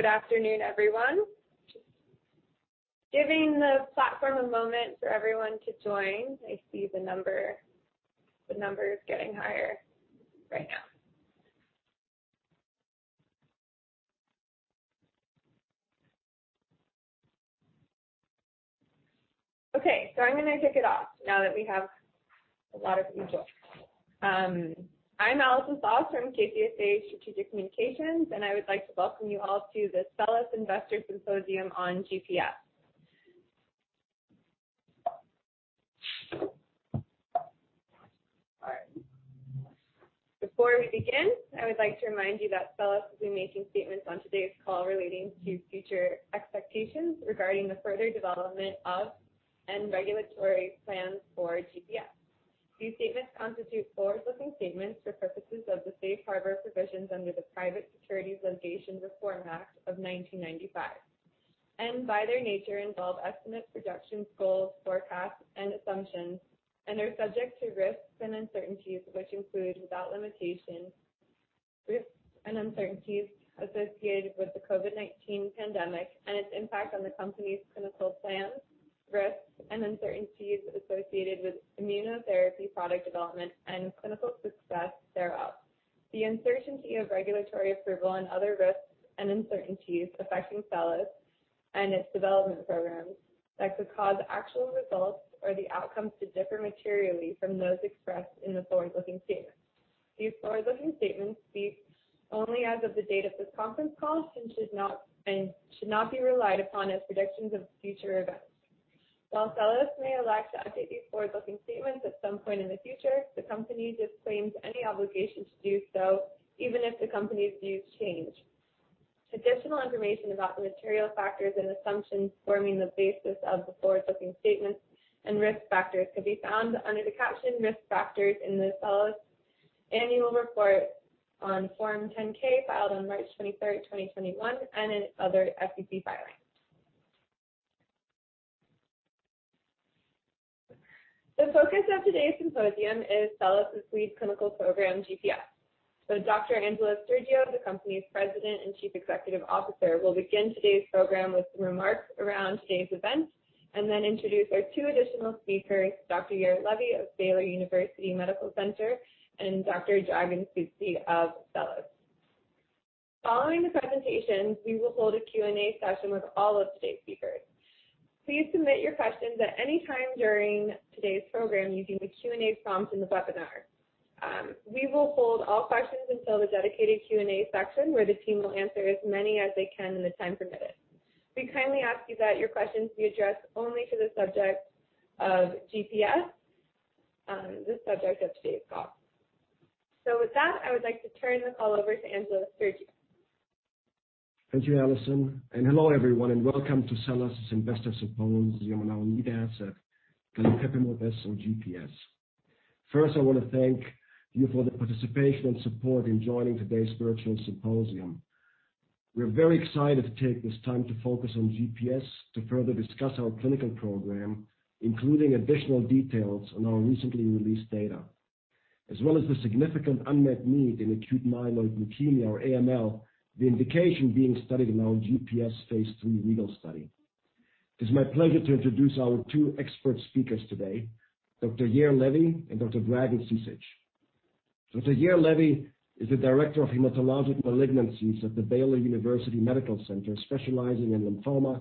Good afternoon, everyone. Giving the platform a moment for everyone to join. I see the number is getting higher right now. Okay. I'm going to kick it off now that we have a lot of people. I'm Allison Soss from KCSA Strategic Communications, and I would like to welcome you all to the SELLAS Investor Symposium on GPS. All right. Before we begin, I would like to remind you that SELLAS will be making statements on today's call relating to future expectations regarding the further development of and regulatory plans for GPS. These statements constitute forward-looking statements for purposes of the Safe Harbor Provisions under the Private Securities Litigation Reform Act of 1995, and by their nature, involve estimates, projections, goals, forecasts, and assumptions, and are subject to risks and uncertainties, which include, without limitation, risks and uncertainties associated with the COVID-19 pandemic and its impact on the company's clinical plans. Risks and uncertainties associated with immunotherapy product development and clinical success thereof. The uncertainty of regulatory approval and other risks and uncertainties affecting SELLAS and its development programs that could cause actual results or the outcomes to differ materially from those expressed in the forward-looking statements. These forward-looking statements speak only as of the date of this conference call and should not be relied upon as predictions of future events. While SELLAS may elect to update these forward-looking statements at some point in the future, the company disclaims any obligation to do so, even if the company's views change. Additional information about the material factors and assumptions forming the basis of the forward-looking statements and risk factors can be found under the caption Risk Factors in the SELLAS annual report on Form 10-K, filed on March 23rd, 2021, and in other SEC filings. The focus of today's symposium is SELLAS' lead clinical program, GPS. Dr. Angelos Stergiou, the company's President and Chief Executive Officer, will begin today's program with remarks around today's event and then introduce our two additional speakers, Dr. Yair Levy of Baylor University Medical Center, and Dr. Dragan Cicic of SELLAS. Following the presentations, we will hold a Q&A session with all of today's speakers. Please submit your questions at any time during today's program using the Q&A prompt in the webinar. We will hold all questions until the dedicated Q&A section, where the team will answer as many as they can in the time permitted. We kindly ask you that your questions be addressed only to the subject of GPS, the subject of today's call. With that, I would like to turn the call over to Angelos Stergiou. Thank you, Allison, Hello everyone, and welcome to SELLAS' Investor Symposium on our lead asset, galinpepimut-S, or GPS. First, I want to thank you for the participation and support in joining today's virtual symposium. We're very excited to take this time to focus on GPS to further discuss our clinical program, including additional details on our recently released data. As well as the significant unmet need in acute myeloid leukemia, or AML, the indication being studied in our GPS phase III REGAL study. It's my pleasure to introduce our two expert speakers today, Dr. Yair Levy and Dr. Dragan Cicic. Dr. Yair Levy is the Director of Hematologic Malignancies at the Baylor University Medical Center, specializing in lymphoma,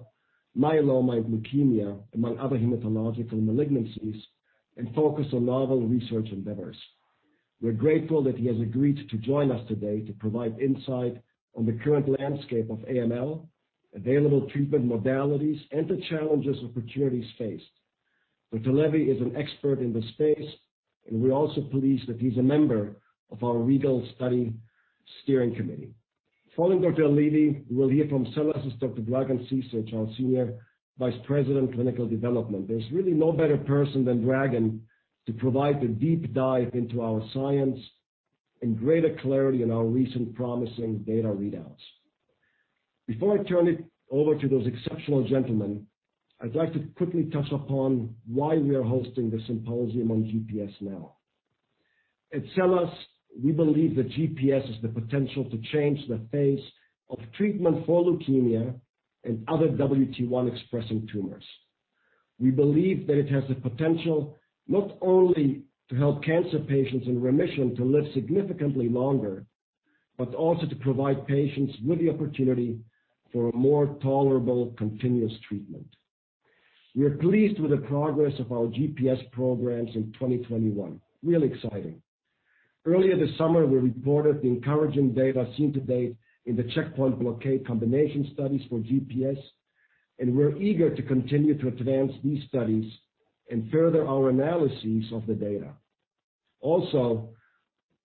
myeloma, and leukemia, among other hematological malignancies, and focused on novel research endeavors. We're grateful that he has agreed to join us today to provide insight on the current landscape of AML, available treatment modalities, and the challenges and opportunities faced. Dr. Levy is an expert in the space, and we're also pleased that he's a member of our REGAL study steering committee. Following Dr. Levy, we will hear from SELLAS' Dr. Dragan Cicic, our Senior Vice President of Clinical Development. There's really no better person than Dragan to provide the deep dive into our science and greater clarity in our recent promising data readouts. Before I turn it over to those exceptional gentlemen, I'd like to quickly touch upon why we are hosting the symposium on GPS now. At SELLAS, we believe that GPS has the potential to change the face of treatment for leukemia and other WT1-expressing tumors. We believe that it has the potential not only to help cancer patients in remission to live significantly longer, but also to provide patients with the opportunity for a more tolerable, continuous treatment. We are pleased with the progress of our GPS programs in 2021. Real exciting. Earlier this summer, we reported the encouraging data seen to date in the checkpoint blockade combination studies for GPS, and we're eager to continue to advance these studies and further our analyses of the data. Also,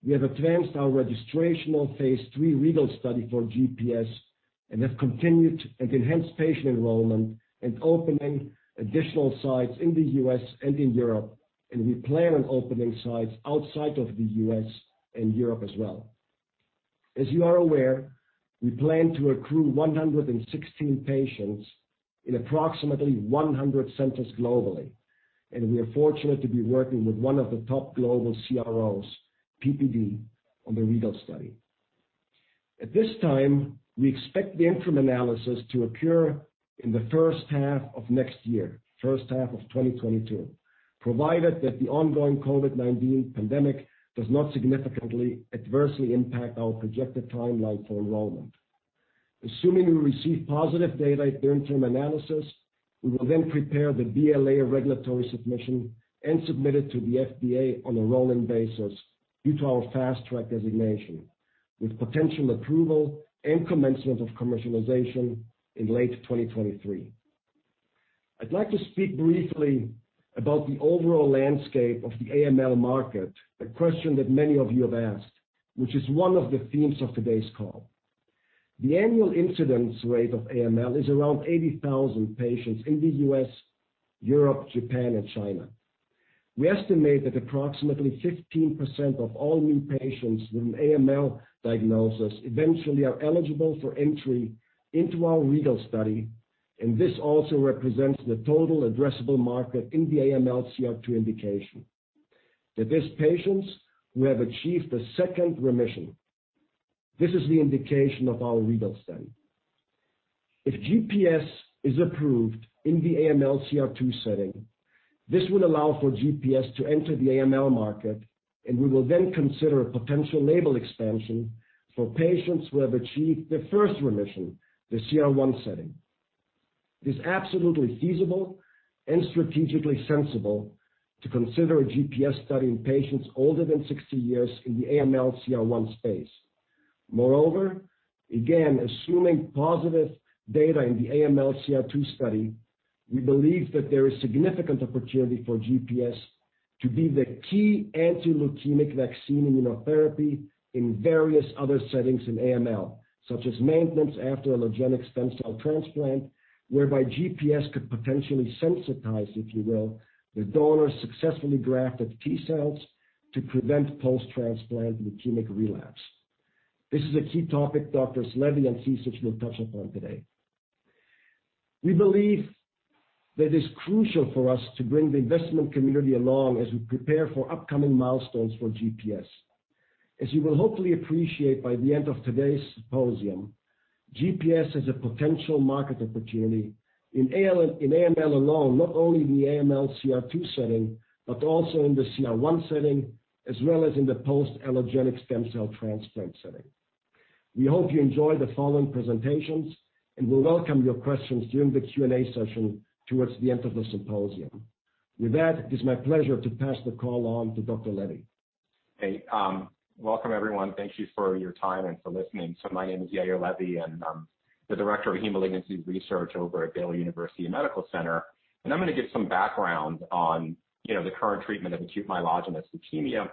we have advanced our registrational phase III REGAL study for GPS and have continued and enhanced patient enrollment and opening additional sites in the U.S. and in Europe, and we plan on opening sites outside of the U.S. and Europe as well. As you are aware, we plan to accrue 116 patients in approximately 100 centers globally. We are fortunate to be working with one of the top global CROs, PPD, on the REGAL study. At this time, we expect the interim analysis to occur in the first half of next year, first half of 2022, provided that the ongoing COVID-19 pandemic does not significantly adversely impact our projected timeline for enrollment. Assuming we receive positive data at the interim analysis, we will then prepare the BLA regulatory submission and submit it to the FDA on a rolling basis due to our Fast Track designation, with potential approval and commencement of commercialization in late 2023. I'd like to speak briefly about the overall landscape of the AML market, a question that many of you have asked, which is one of the themes of today's call. The annual incidence rate of AML is around 80,000 patients in the U.S., Europe, Japan, and China. We estimate that approximately 15% of all new patients with an AML diagnosis eventually are eligible for entry into our REGAL study, and this also represents the total addressable market in the AML CR2 indication. That is patients who have achieved the second remission. This is the indication of our REGAL study. If GPS is approved in the AML CR2 setting, this would allow for GPS to enter the AML market, and we will then consider potential label expansion for patients who have achieved their first remission, the CR1 setting. It is absolutely feasible and strategically sensible to consider a GPS study in patients older than 60 years in the AML CR1 space. Again, assuming positive data in the AML CR2 study, we believe that there is significant opportunity for GPS to be the key anti-leukemic vaccine immunotherapy in various other settings in AML, such as maintenance after allogeneic stem cell transplant, whereby GPS could potentially sensitize, if you will, the donor's successfully grafted T cells to prevent post-transplant leukemia relapse. This is a key topic Drs. Levy and Cicic will touch upon today. We believe that it's crucial for us to bring the investment community along as we prepare for upcoming milestones for GPS. As you will hopefully appreciate by the end of today's symposium, GPS has a potential market opportunity in AML alone, not only in the AML CR2 setting, but also in the CR1 setting, as well as in the post-allogeneic stem cell transplant setting. We hope you enjoy the following presentations and will welcome your questions during the Q&A session towards the end of the symposium. With that, it is my pleasure to pass the call on to Dr. Levy. Welcome, everyone. Thank you for your time and for listening. My name is Yair Levy, and I'm the Director of Hematologic Malignancies Research over at Baylor University Medical Center. I'm going to give some background on the current treatment of acute myeloid leukemia,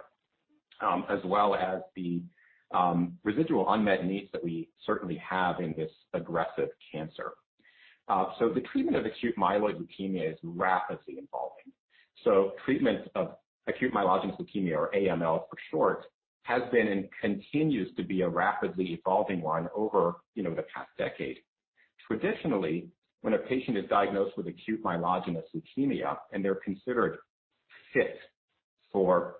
as well as the residual unmet needs that we certainly have in this aggressive cancer. The treatment of acute myeloid leukemia is rapidly evolving. Treatment of acute myeloid leukemia, or AML for short, has been and continues to be a rapidly evolving one over the past decade. Traditionally, when a patient is diagnosed with Acute Myeloid Leukemia and they're considered fit for induction,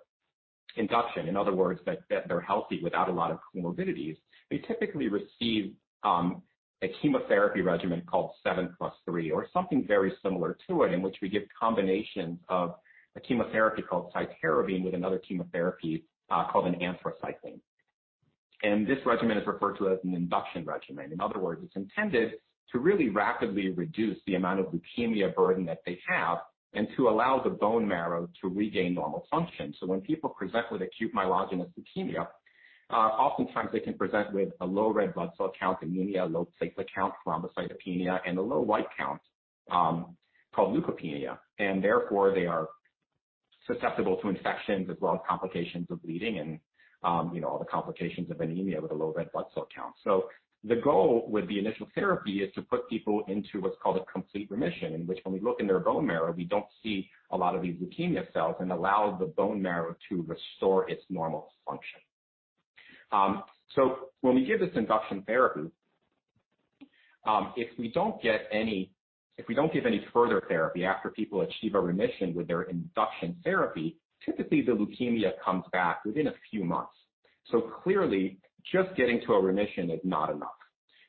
in other words, that they're healthy without a lot of comorbidities, they typically receive a chemotherapy regimen called 7+3, or something very similar to it, in which we give combinations of a chemotherapy called cytarabine with another chemotherapy called an anthracycline. This regimen is referred to as an induction regimen. In other words, it's intended to really rapidly reduce the amount of leukemia burden that they have and to allow the bone marrow to regain normal function. When people present with acute myelogenous leukemia, oftentimes they can present with a low red blood cell count, anemia, low platelet count, thrombocytopenia, and a low white count, called leukopenia, and therefore, they are susceptible to infections as well as complications of bleeding and all the complications of anemia with a low red blood cell count. The goal with the initial therapy is to put people into what's called a complete remission, in which when we look in their bone marrow, we don't see a lot of these leukemia cells and allow the bone marrow to restore its normal function. When we give this induction therapy, if we don't give any further therapy after people achieve a remission with their induction therapy, typically the leukemia comes back within a few months. Clearly, just getting to a remission is not enough.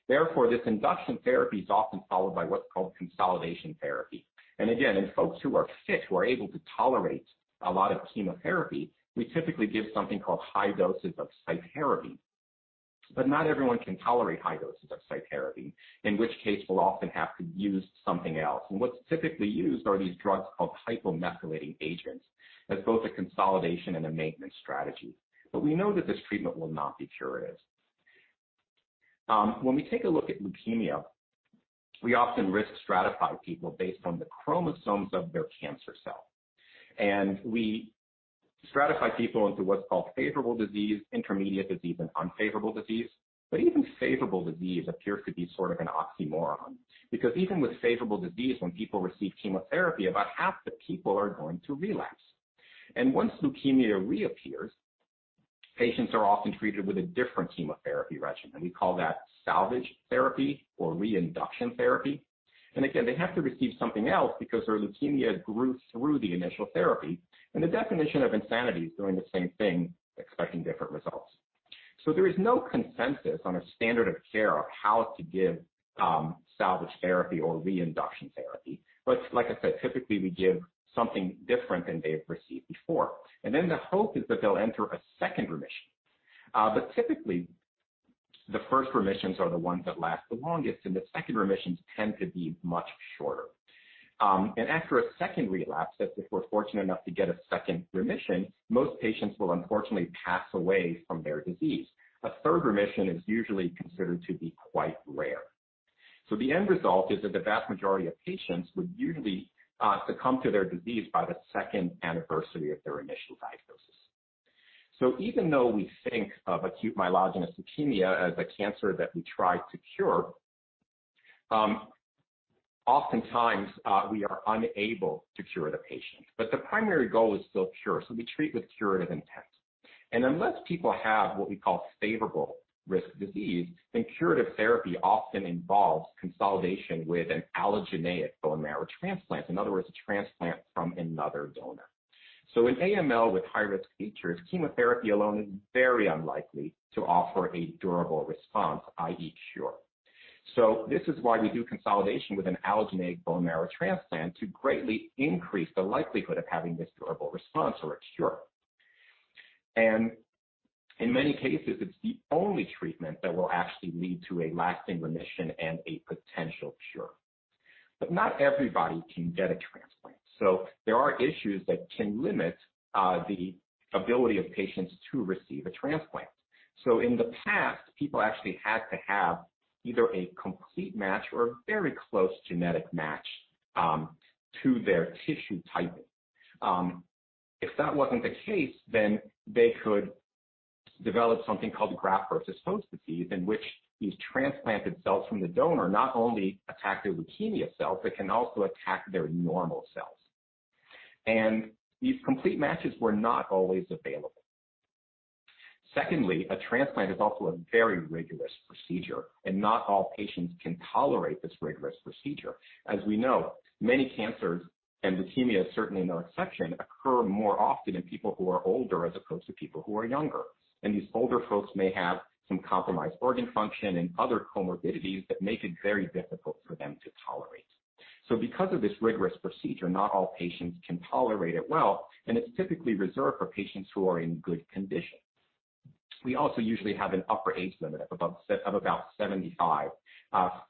Therefore, this induction therapy is often followed by what's called consolidation therapy. Again, in folks who are fit, who are able to tolerate a lot of chemotherapy, we typically give something called high doses of cytarabine. Not everyone can tolerate high doses of cytarabine, in which case, we'll often have to use something else. What's typically used are these drugs called hypomethylating agents, as both a consolidation and a maintenance strategy. We know that this treatment will not be curative. When we take a look at leukemia, we often risk stratify people based on the chromosomes of their cancer cell. We stratify people into what's called favorable disease, intermediate disease, and unfavorable disease. Even favorable disease appears to be sort of an oxymoron, because even with favorable disease, when people receive chemotherapy, about half the people are going to relapse. Once leukemia reappears, patients are often treated with a different chemotherapy regimen. We call that salvage therapy or reinduction therapy. Again, they have to receive something else because their leukemia grew through the initial therapy. The definition of insanity is doing the same thing, expecting different results. There is no consensus on a standard of care of how to give salvage therapy or reinduction therapy. Like I said, typically we give something different than they've received before. The hope is that they'll enter a second remission. Typically, the first remissions are the ones that last the longest, and the second remissions tend to be much shorter. After a second relapse, that's if we're fortunate enough to get a second remission, most patients will unfortunately pass away from their disease. A third remission is usually considered to be quite rare. The end result is that the vast majority of patients would usually succumb to their disease by the second anniversary of their initial diagnosis. Even though we think of Acute Myeloid Leukemia as a cancer that we try to cure, oftentimes we are unable to cure the patient. The primary goal is still cure, so we treat with curative intent. Unless people have what we call favorable risk disease, then curative therapy often involves consolidation with an allogeneic bone marrow transplant. In other words, a transplant from another donor. In AML with high-risk features, chemotherapy alone is very unlikely to offer a durable response, i.e., cure. This is why we do consolidation with an allogeneic bone marrow transplant to greatly increase the likelihood of having this durable response or a cure. In many cases, it's the only treatment that will actually lead to a lasting remission and a potential cure. Not everybody can get a transplant. There are issues that can limit the ability of patients to receive a transplant. In the past, people actually had to have either a complete match or a very close genetic match to their tissue typing. If that wasn't the case, then they could develop something called graft-versus-host disease, in which these transplanted cells from the donor not only attack their leukemia cells, but can also attack their normal cells. These complete matches were not always available. Secondly, a transplant is also a very rigorous procedure, and not all patients can tolerate this rigorous procedure. As we know, many cancers, and leukemia is certainly no exception, occur more often in people who are older as opposed to people who are younger. These older folks may have some compromised organ function and other comorbidities that make it very difficult for them to tolerate. Because of this rigorous procedure, not all patients can tolerate it well, and it's typically reserved for patients who are in good condition. We also usually have an upper age limit of about 75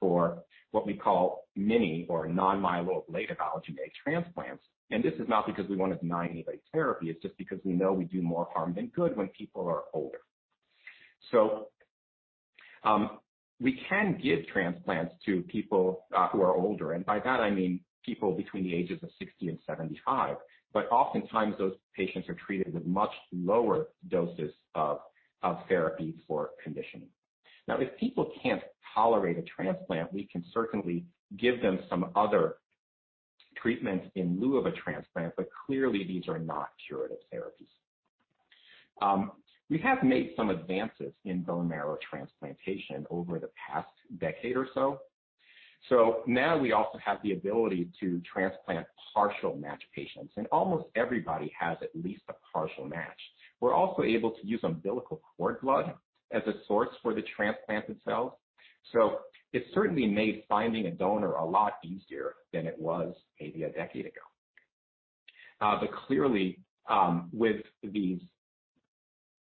for what we call mini or non-myeloablative allogeneic transplants. This is not because we want to deny anybody therapy, it's just because we know we do more harm than good when people are older. We can give transplants to people who are older, and by that I mean people between the ages of 60 and 75. Oftentimes, those patients are treated with much lower doses of therapy for conditioning. If people can't tolerate a transplant, we can certainly give them some other treatments in lieu of a transplant, clearly, these are not curative therapies. We have made some advances in bone marrow transplantation over the past decade or so. Now we also have the ability to transplant partial match patients, almost everybody has at least a partial match. We're also able to use umbilical cord blood as a source for the transplanted cells. It certainly made finding a donor a lot easier than it was maybe a decade ago. Clearly, with these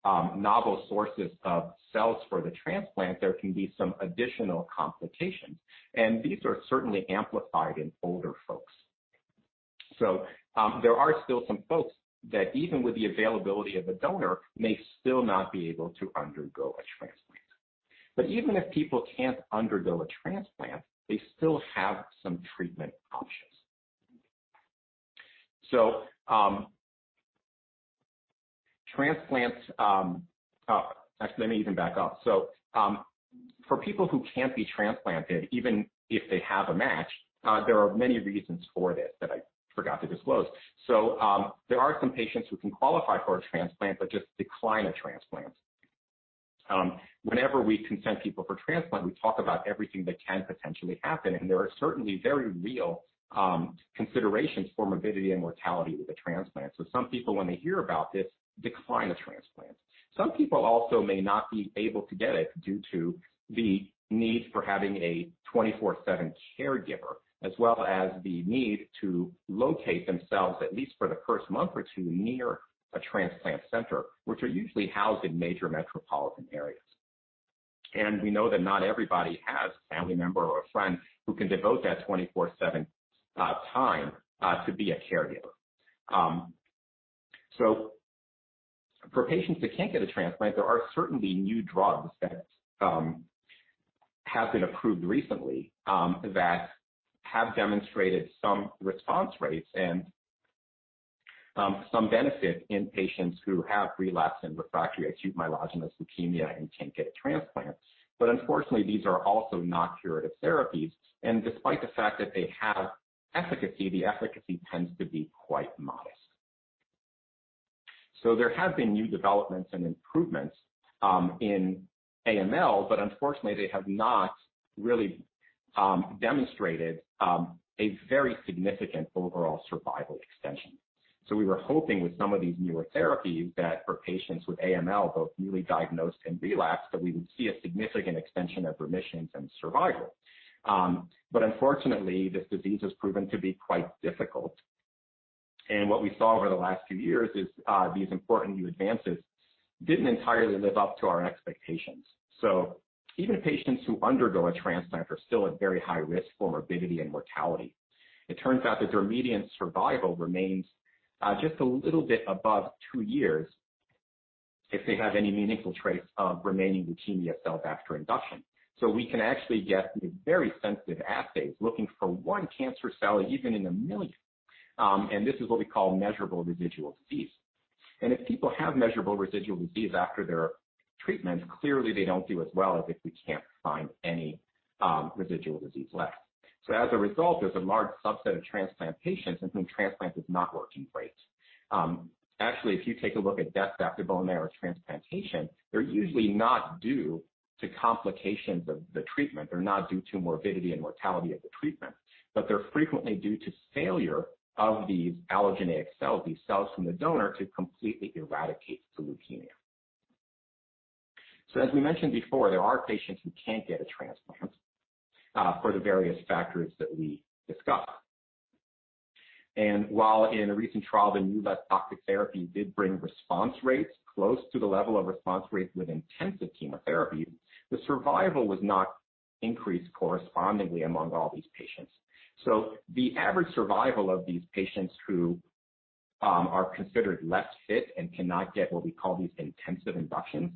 novel sources of cells for the transplant, there can be some additional complications, these are certainly amplified in older folks. There are still some folks that, even with the availability of a donor, may still not be able to undergo a transplant. Even if people can't undergo a transplant, they still have some treatment options. Actually, let me even back up. For people who can't be transplanted, even if they have a match, there are many reasons for this that I forgot to disclose. There are some patients who can qualify for a transplant but just decline a transplant. Whenever we consent people for transplant, we talk about everything that can potentially happen, and there are certainly very real considerations for morbidity and mortality with a transplant. Some people, when they hear about this, decline a transplant. Some people also may not be able to get it due to the need for having a 24/7 caregiver, as well as the need to locate themselves, at least for the first month or two, near a transplant center, which are usually housed in major metropolitan areas. We know that not everybody has a family member or a friend who can devote that 24/7 time to be a caregiver. For patients that can't get a transplant, there are certainly new drugs that have been approved recently that have demonstrated some response rates and some benefit in patients who have relapsed and refractory Acute Myeloid Leukemia and can't get a transplant. Unfortunately, these are also not curative therapies. Despite the fact that they have efficacy, the efficacy tends to be quite modest. There have been new developments and improvements in AML, but unfortunately, they have not really demonstrated a very significant overall survival extension. We were hoping with some of these newer therapies that for patients with AML, both newly diagnosed and relapsed, that we would see a significant extension of remissions and survival. Unfortunately, this disease has proven to be quite difficult. What we saw over the last few years is these important new advances didn't entirely live up to our expectations. Even patients who undergo a transplant are still at very high risk for morbidity and mortality. It turns out that their median survival remains just a little bit above two years if they have any meaningful trace of remaining leukemia cells after induction. We can actually get these very sensitive assays looking for one cancer cell, even in 1 million. This is what we call measurable residual disease. If people have measurable residual disease after their treatments, clearly they don't do as well as if we can't find any residual disease left. As a result, there's a large subset of transplant patients in whom transplant is not working great. Actually, if you take a look at deaths after bone marrow transplantation, they're usually not due to complications of the treatment. They're not due to morbidity and mortality of the treatment, but they're frequently due to failure of these allogeneic cells, these cells from the donor, to completely eradicate the leukemia. As we mentioned before, there are patients who can't get a transplant for the various factors that we discussed. While in a recent trial, the new less toxic therapy did bring response rates close to the level of response rates with intensive chemotherapy, the survival was not increased correspondingly among all these patients. The average survival of these patients who are considered less fit and cannot get what we call these intensive inductions,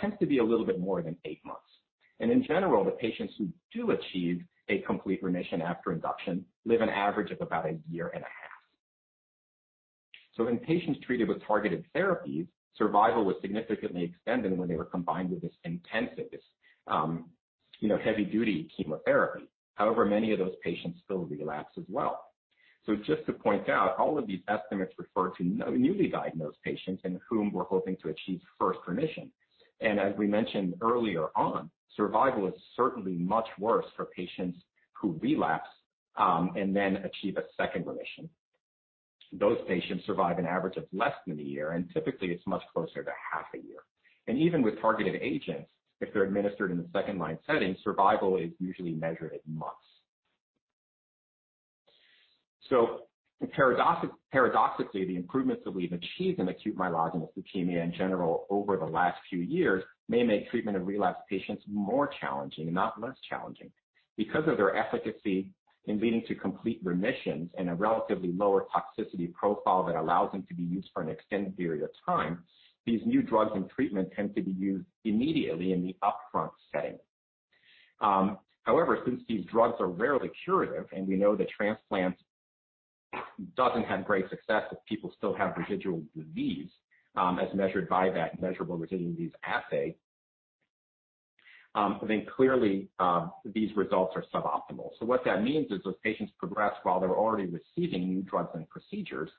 tends to be a little bit more than eight months. In general, the patients who do achieve a complete remission after induction live an average of about a year and a half. In patients treated with targeted therapies, survival was significantly extended when they were combined with this intensive, heavy duty chemotherapy. However, many of those patients still relapse as well. Just to point out, all of these estimates refer to newly diagnosed patients in whom we're hoping to achieve first remission. As we mentioned earlier on, survival is certainly much worse for patients who relapse and then achieve a second remission. Those patients survive an average of less than a year, and typically it's much closer to half a year. Even with targeted agents, if they're administered in the second-line setting, survival is usually measured in months. Paradoxically, the improvements that we've achieved in Acute Myeloid Leukemia in general over the last few years may make treatment of relapsed patients more challenging and not less challenging. Because of their efficacy in leading to complete remissions and a relatively lower toxicity profile that allows them to be used for an extended period of time, these new drugs and treatments tend to be used immediately in the upfront setting. Since these drugs are rarely curative, and we know that transplant doesn't have great success if people still have residual disease, as measured by that measurable residual disease assay, clearly these results are suboptimal. What that means is those patients progress while they're already receiving new drugs and procedures,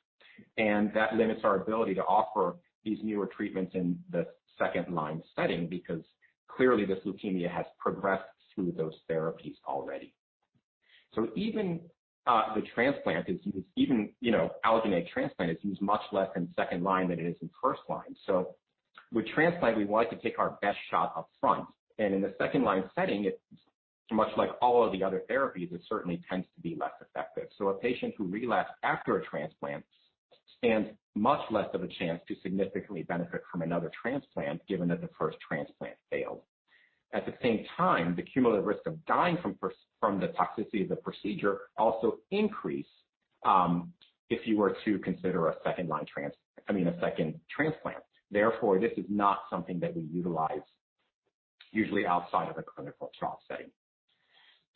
that limits our ability to offer these newer treatments in the second-line setting because clearly this leukemia has progressed through those therapies already. Even the transplant is used, even allogeneic transplant is used much less in second line than it is in first line. With transplant, we like to take our best shot up front, in the second-line setting, it's much like all of the other therapies. It certainly tends to be less effective. A patient who relapsed after a transplant stands much less of a chance to significantly benefit from another transplant, given that the first transplant failed. At the same time, the cumulative risk of dying from the toxicity of the procedure also increase if you were to consider a second transplant. This is not something that we utilize usually outside of a clinical trial setting.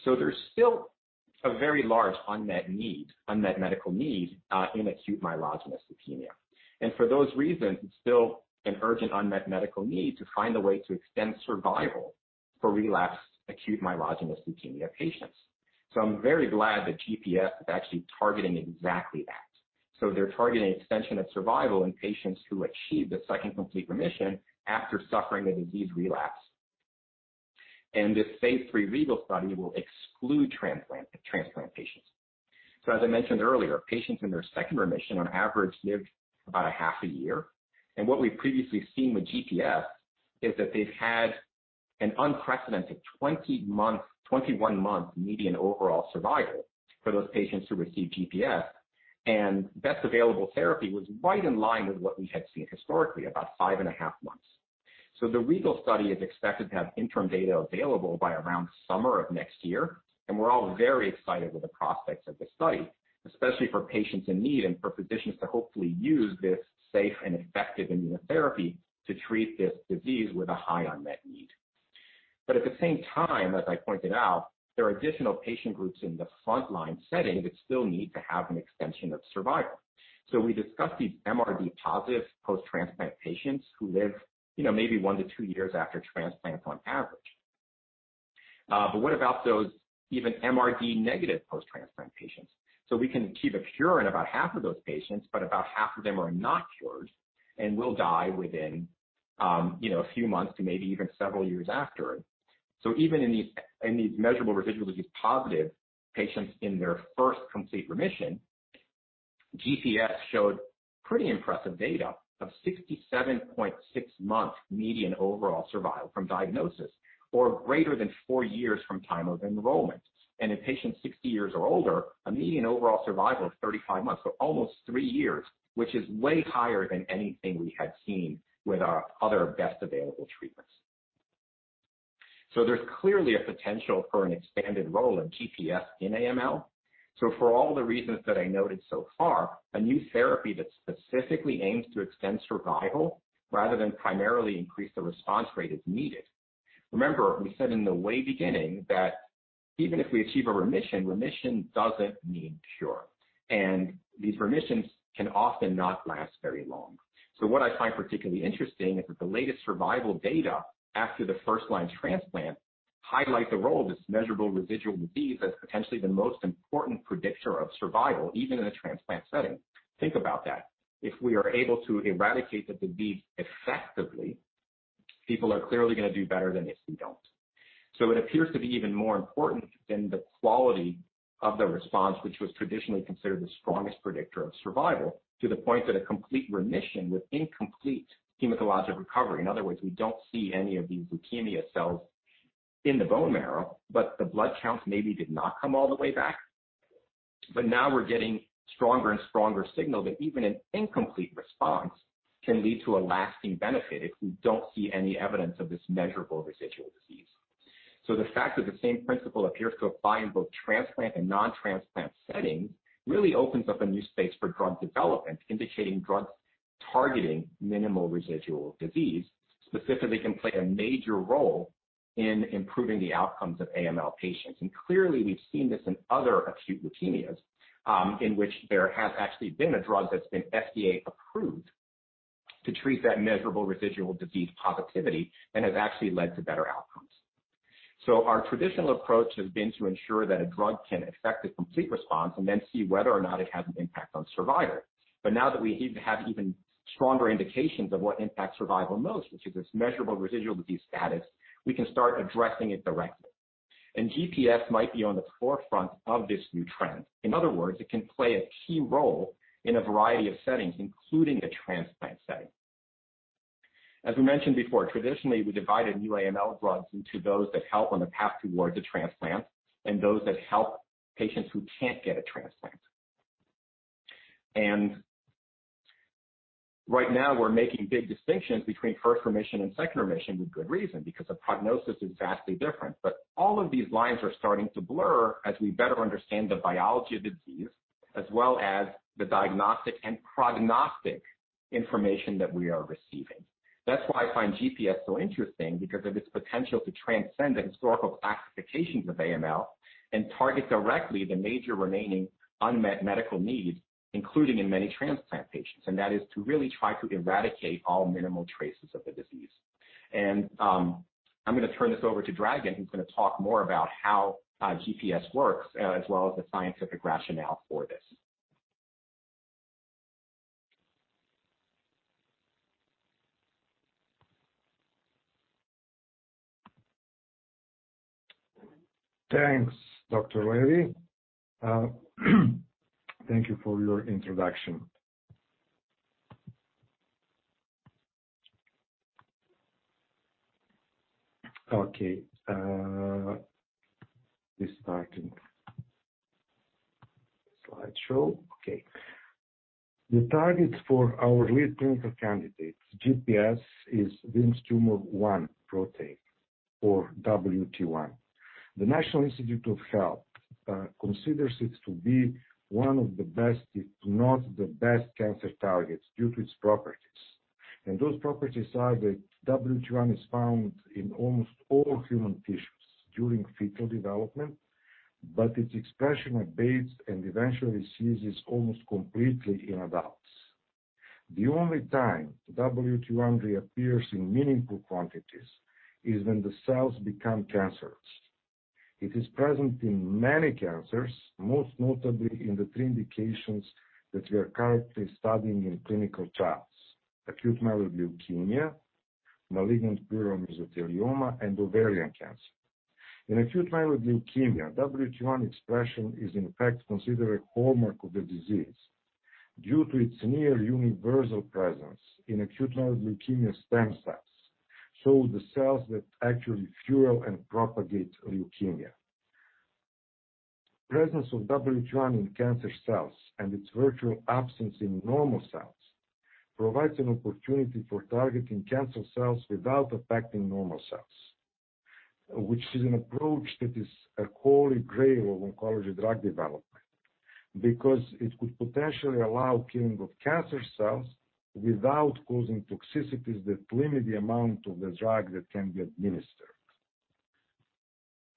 There's still a very large unmet medical need in acute myeloid leukemia. For those reasons, it's still an urgent unmet medical need to find a way to extend survival for relapsed acute myeloid leukemia patients. I'm very glad that galinpepimut-S is actually targeting exactly that. They're targeting extension of survival in patients who achieve the second complete remission after suffering a disease relapse. This Phase III REGAL study will exclude transplant patients. As I mentioned earlier, patients in their second remission, on average, live about a 0.5 year. What we've previously seen with galinpepimut-S is that they've had an unprecedented 21-month median overall survival for those patients who receive galinpepimut-S. Best available therapy was right in line with what we had seen historically, about 5.5 months. The REGAL study is expected to have interim data available by around summer of next year, and we're all very excited with the prospects of the study, especially for patients in need and for physicians to hopefully use this safe and effective immunotherapy to treat this disease with a high unmet need. At the same time, as I pointed out, there are additional patient groups in the frontline setting that still need to have an extension of survival. We discussed these MRD-positive post-transplant patients who live maybe one-two years after transplant on average. What about those even MRD-negative post-transplant patients? We can achieve a cure in about half of those patients, but about half of them are not cured and will die within a few months to maybe even several years after. Even in these measurable residual disease positive patients in their first complete remission, galinpepimut-S showed pretty impressive data of 67.6-month median overall survival from diagnosis, or greater than four years from time of enrollment. In patients 60 years or older, a median overall survival of 35 months, so almost three years, which is way higher than anything we had seen with our other best available treatments. There's clearly a potential for an expanded role of galinpepimut-S in AML. For all the reasons that I noted so far, a new therapy that specifically aims to extend survival rather than primarily increase the response rate is needed. Remember, we said in the way beginning that even if we achieve a remission doesn't mean cure. These remissions can often not last very long. What I find particularly interesting is that the latest survival data after the first-line transplant highlight the role of this measurable residual disease as potentially the most important predictor of survival, even in a transplant setting. Think about that. If we are able to eradicate the disease effectively, people are clearly going to do better than if we don't. It appears to be even more important than the quality of the response, which was traditionally considered the strongest predictor of survival, to the point that a complete remission with incomplete hematologic recovery. In other words, we don't see any of these leukemia cells in the bone marrow, but the blood counts maybe did not come all the way back. Now we're getting stronger and stronger signal that even an incomplete response can lead to a lasting benefit if we don't see any evidence of this measurable residual disease. The fact that the same principle appears to apply in both transplant and non-transplant settings really opens up a new space for drug development, indicating drugs targeting minimal residual disease specifically can play a major role in improving the outcomes of AML patients. Clearly, we've seen this in other acute leukemias, in which there has actually been a drug that's been FDA-approved to treat that measurable residual disease positivity and has actually led to better outcomes. Our traditional approach has been to ensure that a drug can affect a complete response and then see whether or not it has an impact on survival. Now that we have even stronger indications of what impacts survival most, which is its measurable residual disease status, we can start addressing it directly. Galinpepimut-S might be on the forefront of this new trend. In other words, it can play a key role in a variety of settings, including the transplant setting. As we mentioned before, traditionally, we divided new AML drugs into those that help on the path towards a transplant and those that help patients who can't get a transplant. Right now we're making big distinctions between first remission and second remission with good reason, because the prognosis is vastly different. All of these lines are starting to blur as we better understand the biology of disease, as well as the diagnostic and prognostic information that we are receiving. That's why I find galinpepimut-S so interesting because of its potential to transcend the historical classifications of AML and target directly the major remaining unmet medical need, including in many transplant patients, and that is to really try to eradicate all minimal traces of the disease. I'm going to turn this over to Dragan, who's going to talk more about how galinpepimut-S works, as well as the scientific rationale for this. Thanks, Dr. Levy. Thank you for your introduction. Okay. Starting slideshow. Okay. The target for our lead clinical candidate, GPS, is Wilms' tumor 1 protein, or WT1. The National Institutes of Health considers it to be one of the best, if not the best, cancer targets due to its properties. Those properties are that WT1 is found in almost all human tissues during fetal development, but its expression abates and eventually ceases almost completely in adults. The only time WT1 reappears in meaningful quantities is when the cells become cancerous. It is present in many cancers, most notably in the three indications that we are currently studying in clinical trials: acute myeloid leukemia, malignant pleural mesothelioma, and ovarian cancer. In acute myeloid leukemia, WT1 expression is in fact considered a hallmark of the disease due to its near universal presence in acute myeloid leukemia stem cells, so the cells that actually fuel and propagate leukemia. Presence of WT1 in cancer cells and its virtual absence in normal cells provides an opportunity for targeting cancer cells without affecting normal cells, which is an approach that is a holy grail of oncology drug development because it could potentially allow killing of cancer cells without causing toxicities that limit the amount of the drug that can be administered.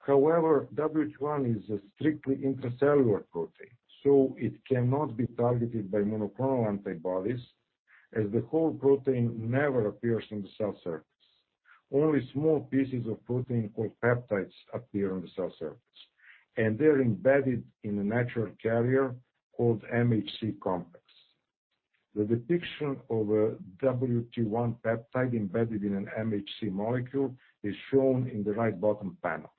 However, WT1 is a strictly intracellular protein, so it cannot be targeted by monoclonal antibodies as the whole protein never appears on the cell surface. Only small pieces of protein called peptides appear on the cell surface, and they're embedded in a natural carrier called MHC complex. The depiction of a WT1 peptide embedded in an MHC molecule is shown in the right bottom panel.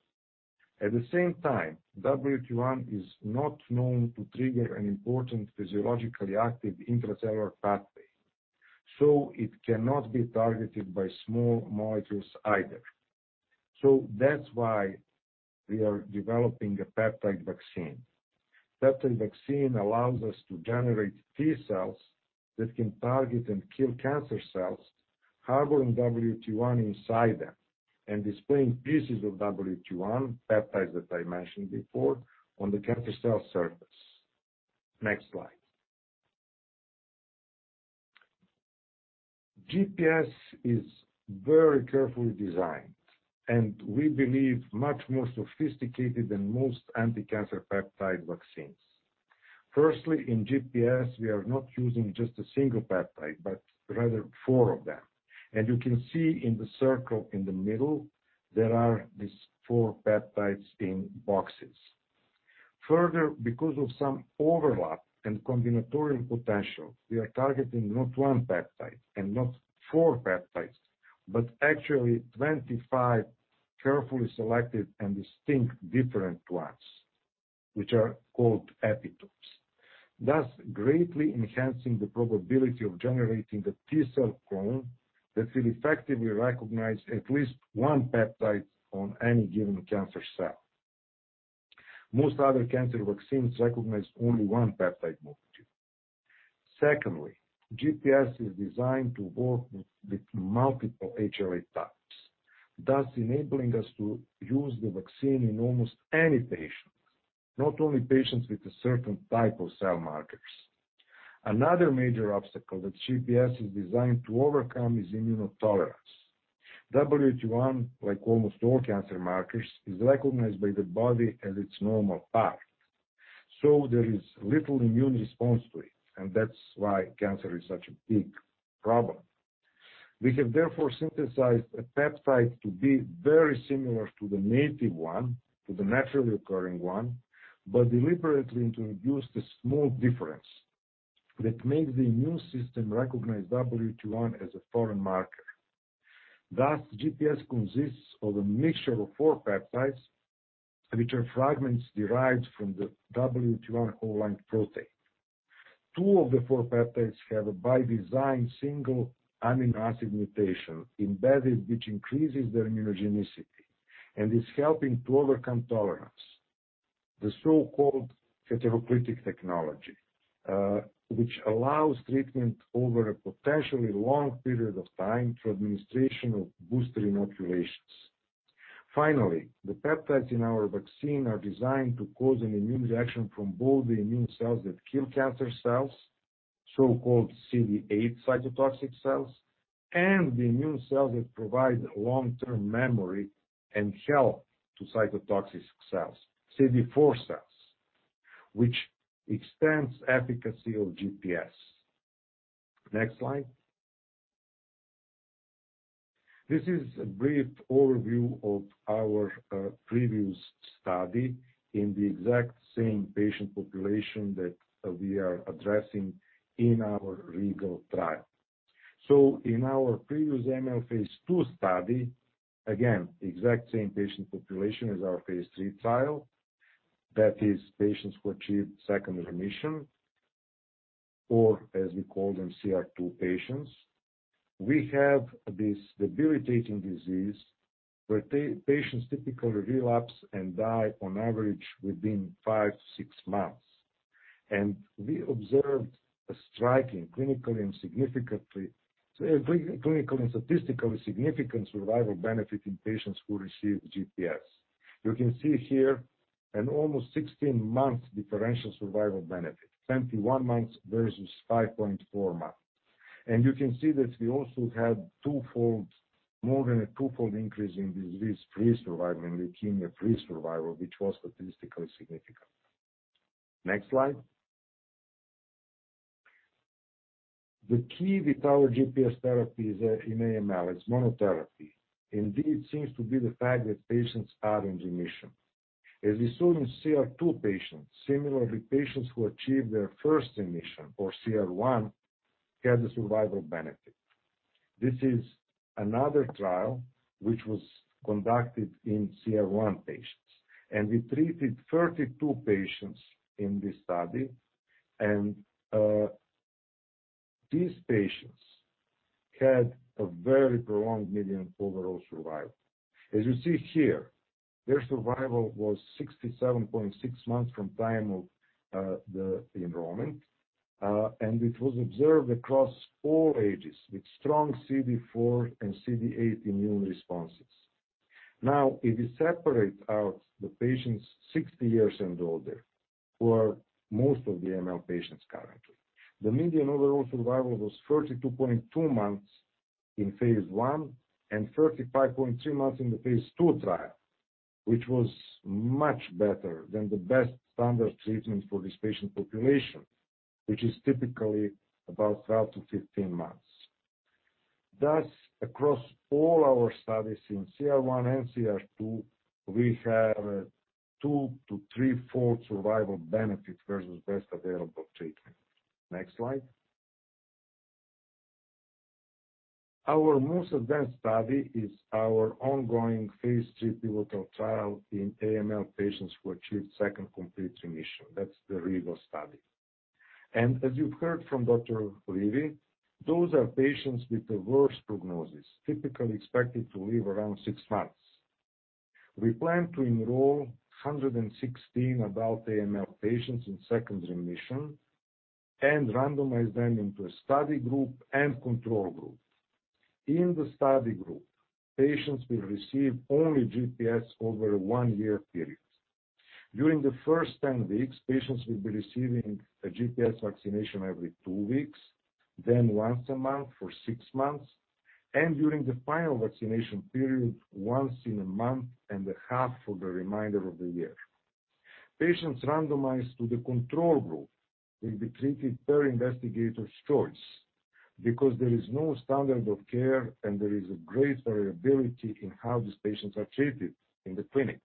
At the same time, WT1 is not known to trigger an important physiologically active intracellular pathway, it cannot be targeted by small molecules either. That's why we are developing a peptide vaccine. Peptide vaccine allows us to generate T cells that can target and kill cancer cells harboring WT1 inside them and displaying pieces of WT1, peptides that I mentioned before, on the cancer cell surface. Next slide. GPS is very carefully designed, we believe much more sophisticated than most anti-cancer peptide vaccines. Firstly, in GPS, we are not using just a single peptide, rather four of them. You can see in the circle in the middle, there are these four peptides in boxes. Further, because of some overlap and combinatorial potential, we are targeting not one peptide and not four peptides, but actually 25 carefully selected and distinct different ones, which are called epitopes. Greatly enhancing the probability of generating a T-cell clone that will effectively recognize at least one peptide on any given cancer cell. Most other cancer vaccines recognize only one peptide molecule. GPS is designed to work with multiple HLA types, thus enabling us to use the vaccine in almost any patient, not only patients with a certain type of cell markers. Another major obstacle that GPS is designed to overcome is immunotolerance. WT1, like almost all cancer markers, is recognized by the body as its normal part. There is little immune response to it, and that's why cancer is such a big problem. We have therefore synthesized a peptide to be very similar to the native one, to the naturally occurring one, but deliberately introduce the small difference that makes the immune system recognize WT1 as a foreign marker. GPS consists of a mixture of four peptides, which are fragments derived from the WT1 whole length protein. Two of the four peptides have, by design, single amino acid mutation embedded, which increases their immunogenicity and is helping to overcome tolerance. The so-called heteroclitic technology, which allows treatment over a potentially long period of time through administration of booster inoculations. The peptides in our vaccine are designed to cause an immune reaction from both the immune cells that kill cancer cells, so-called CD8 cytotoxic cells, and the immune cells that provide long-term memory and help to cytotoxic cells, CD4 cells, which extends efficacy of GPS. Next slide. This is a brief overview of our previous study in the exact same patient population that we are addressing in our REGAL trial. In our previous AML phase II study, again, the exact same patient population as our phase III trial, that is patients who achieved secondary remission or as we call them, CR2 patients. We have this debilitating disease where patients typically relapse and die on average within five-six months. We observed a striking clinical and statistically significant survival benefit in patients who received GPS. You can see here an almost 16 months differential survival benefit, 21 months versus 5.4 months. You can see that we also had more than a two-fold increase in disease-free survival, in leukemia-free survival, which was statistically significant. Next slide. The key with our GPS therapy in AML is monotherapy indeed seems to be the fact that patients are in remission. As we saw in CR2 patients, similarly, patients who achieve their first remission or CR1, have the survival benefit. This is another trial which was conducted in CR1 patients, and we treated 32 patients in this study, and these patients had a very prolonged median overall survival. As you see here, their survival was 67.6 months from time of the enrollment, and it was observed across all ages with strong CD4 and CD8 immune responses. If we separate out the patients 60 years and older, who are most of the AML patients currently, the median overall survival was 32.2 months in phase I and 35.3 months in the phase II trial, which was much better than the best standard treatment for this patient population, which is typically about 12-15 months. Across all our studies in CR1 and CR2, we have two-three-fold survival benefit versus best available treatment. Next slide. Our most advanced study is our ongoing phase III pivotal trial in AML patients who achieved second complete remission. That's the REGAL study. As you've heard from Dr. Levy, those are patients with the worst prognosis, typically expected to live around sx months. We plan to enroll 116 adult AML patients in second remission and randomize them into a study group and control group. In the study group, patients will receive only GPS over a 1-year period. During the first 10 weeks, patients will be receiving a GPS vaccination every two weeks, then once a month for sixmonths, and during the final vaccination period, once in a one month and a half for the remainder of the year. Patients randomized to the control group will be treated per investigator's choice because there is no standard of care, and there is a great variability in how these patients are treated in the clinic.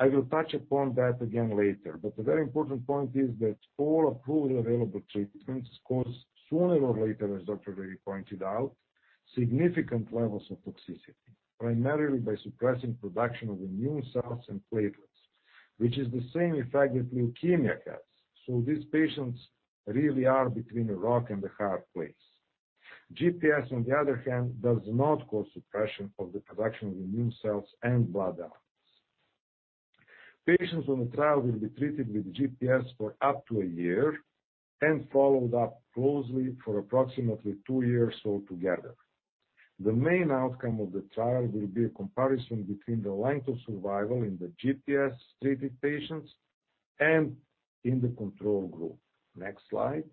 I will touch upon that again later, but the very important point is that all approved available treatments cause, sooner or later, as Dr. Levy pointed out, significant levels of toxicity, primarily by suppressing production of immune cells and platelets, which is the same effect that leukemia has. These patients really are between a rock and a hard place. GPS, on the other hand, does not cause suppression of the production of immune cells and blood elements. Patients on the trial will be treated with GPS for up to a year and followed up closely for approximately two years altogether. The main outcome of the trial will be a comparison between the length of survival in the GPS-treated patients and in the control group. Next slide.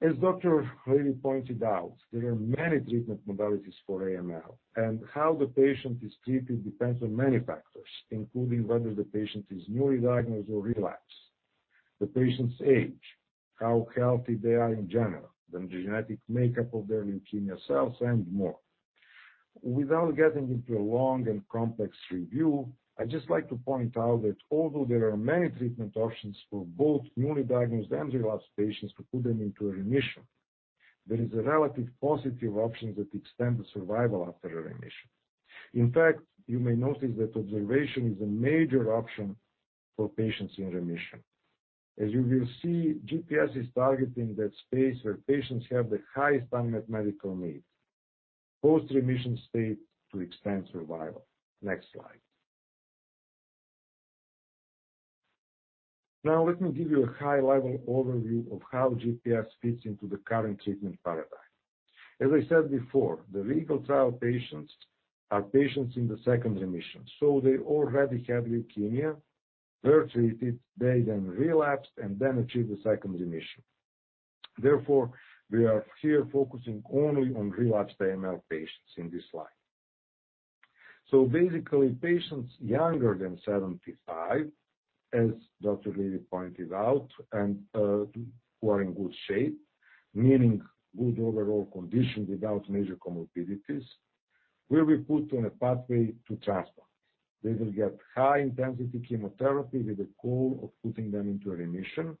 As Yair Levy pointed out, there are many treatment modalities for AML, and how the patient is treated depends on many factors, including whether the patient is newly diagnosed or relapsed, the patient's age, how healthy they are in general, the genetic makeup of their leukemia cells, and more. Without getting into a long and complex review, I'd just like to point out that although there are many treatment options for both newly diagnosed and relapsed patients to put them into a remission, there is a relative paucity of options that extend the survival after remission. In fact, you may notice that observation is a major option for patients in remission. As you will see, GPS is targeting that space where patients have the highest unmet medical need, post-remission state to extend survival. Next slide. Let me give you a high-level overview of how GPS fits into the current treatment paradigm. As I said before, the REGAL trial patients are patients in the second remission, they already had leukemia. They're treated, they relapsed, achieve the second remission. We are here focusing only on relapsed AML patients in this slide. Basically, patients younger than 75, as Dr. Levy pointed out, and who are in good shape, meaning good overall condition without major comorbidities, will be put on a pathway to transplant. They will get high-intensity chemotherapy with the goal of putting them into a remission.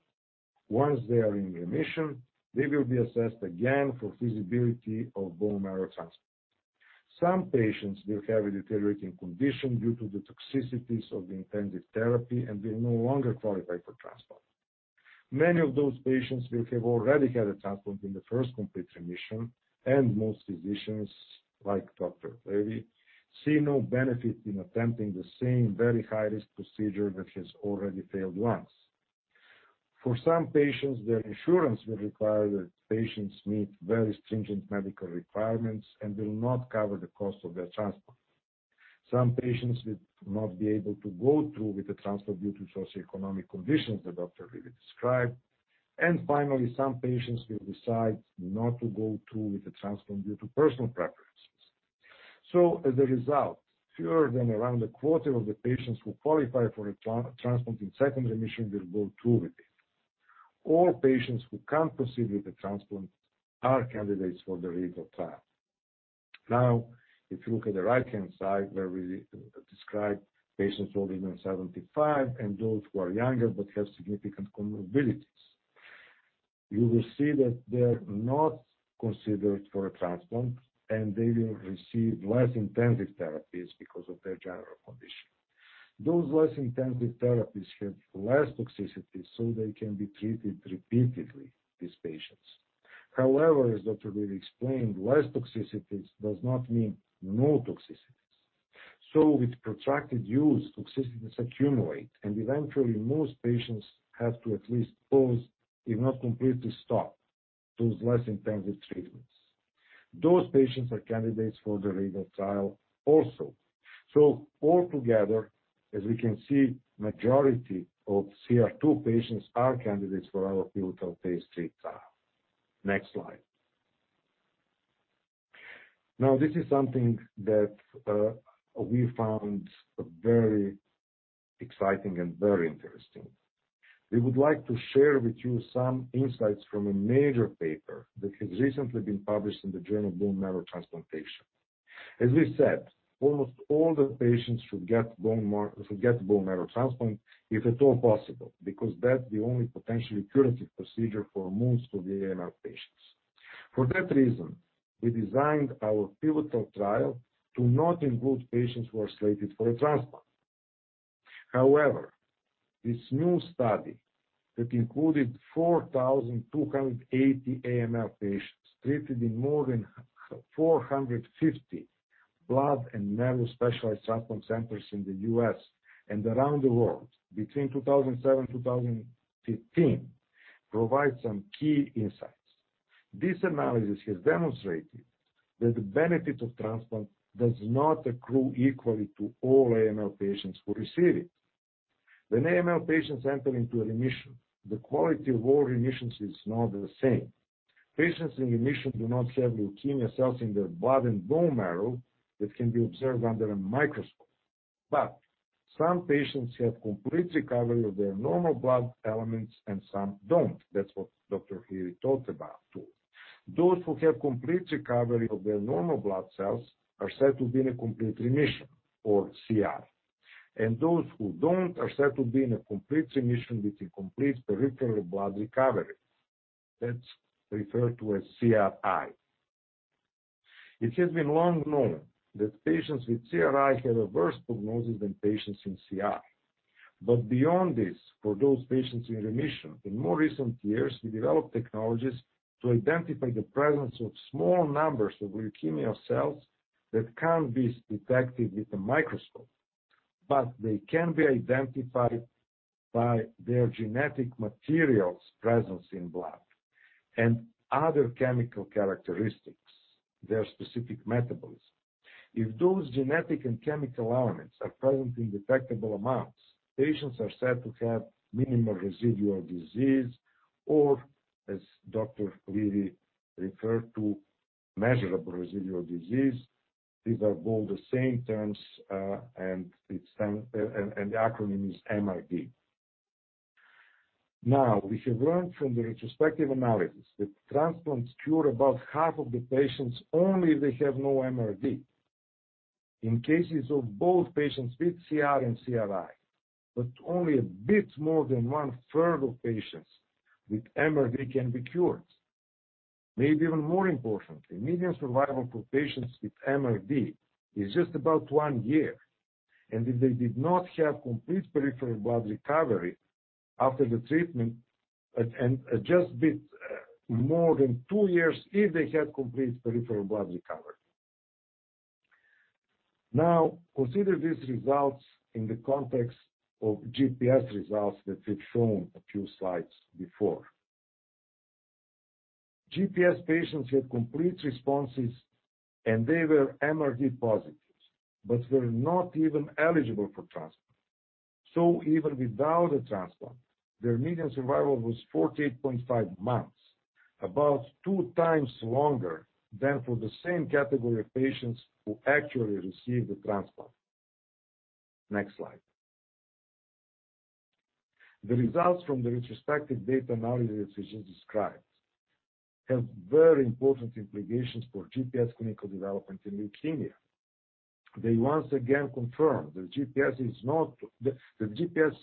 Once they are in remission, they will be assessed again for feasibility of bone marrow transplant. Some patients will have a deteriorating condition due to the toxicities of the intensive therapy and will no longer qualify for transplant. Many of those patients will have already had a transplant in the first complete remission, and most physicians, like Dr. Levy, see no benefit in attempting the same very high-risk procedure that has already failed once. For some patients, their insurance will require that patients meet very stringent medical requirements and will not cover the cost of their transplant. Some patients will not be able to go through with the transplant due to socioeconomic conditions that Dr. Levy described. Finally, some patients will decide not to go through with the transplant due to personal preferences. As a result, fewer than around a quarter of the patients who qualify for a transplant in second remission will go through with it. All patients who can't proceed with the transplant are candidates for the REGAL trial. If you look at the right-hand side where we describe patients older than 75 and those who are younger but have significant comorbidities, you will see that they're not considered for a transplant, and they will receive less intensive therapies because of their general condition. Those less intensive therapies have less toxicities, so they can be treated repeatedly, these patients. However, as Dr. Levy explained, less toxicities does not mean no toxicities. With protracted use, toxicities accumulate, and eventually, most patients have to at least pause, if not completely stop, those less intensive treatments. Those patients are candidates for the REGAL trial also. Altogether, as we can see, majority of CR2 patients are candidates for our pivotal phase III trial. Next slide. This is something that we found very exciting and very interesting. We would like to share with you some insights from a major paper that has recently been published in the Journal of Bone Marrow Transplantation. As we said, almost all the patients should get bone marrow transplant, if at all possible, because that's the only potentially curative procedure for most of the AML patients. For that reason, we designed our pivotal trial to not include patients who are slated for a transplant. However, this new study that included 4,280 AML patients treated in more than 450 blood and marrow specialized transplant centers in the U.S. and around the world between 2007 and 2015, provides some key insights. This analysis has demonstrated that the benefit of transplant does not accrue equally to all AML patients who receive it. When AML patients enter into a remission, the quality of all remissions is not the same. Patients in remission do not have leukemia cells in their blood and bone marrow that can be observed under a microscope. Some patients have complete recovery of their normal blood elements and some don't. That's what Dr. Levy talked about, too. Those who have complete recovery of their normal blood cells are said to be in a complete remission or CR. Those who don't are said to be in a complete remission with incomplete peripheral blood recovery. That's referred to as CRI. It has been long known that patients with CRI have a worse prognosis than patients in CR. Beyond this, for those patients in remission, in more recent years, we developed technologies to identify the presence of small numbers of leukemia cells that can't be detected with a microscope, but they can be identified by their genetic material's presence in blood and other chemical characteristics, their specific metabolism. If those genetic and chemical elements are present in detectable amounts, patients are said to have minimal residual disease, or as Dr. Levy referred to, measurable residual disease. These are all the same terms, and the acronym is MRD. We have learned from the retrospective analysis that transplants cure about half of the patients only if they have no MRD. In cases of both patients with CR and CRI, but only a bit more than one-third of patients with MRD can be cured. Maybe even more importantly, median survival for patients with MRD is just about one year, and if they did not have complete peripheral blood recovery after the treatment, and just bit more than two years if they had complete peripheral blood recovery. Consider these results in the context of GPS results that we've shown a few slides before. GPS patients had complete responses, and they were MRD positives, but were not even eligible for transplant. Even without a transplant, their median survival was 48.5 months, about 2x longer than for the same category of patients who actually received the transplant. Next slide. The results from the retrospective data analysis described have very important implications for GPS clinical development in leukemia. They once again confirm that the GPS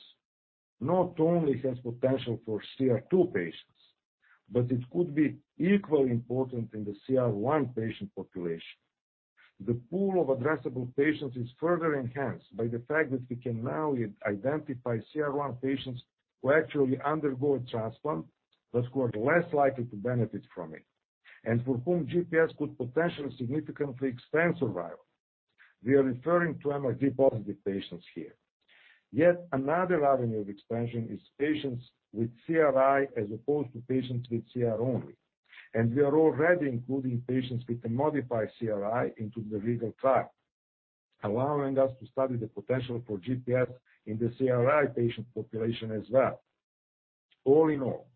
not only has potential for CR2 patients, but it could be equally important in the CR1 patient population. The pool of addressable patients is further enhanced by the fact that we can now identify CR1 patients who actually undergo a transplant, but who are less likely to benefit from it, and for whom GPS could potentially significantly extend survival. We are referring to MRD-positive patients here. Yet another avenue of expansion is patients with CRI as opposed to patients with CR only, and we are already including patients with a modified CRI into the REGAL trial, allowing us to study the potential for GPS in the CRI patient population as well. All in all,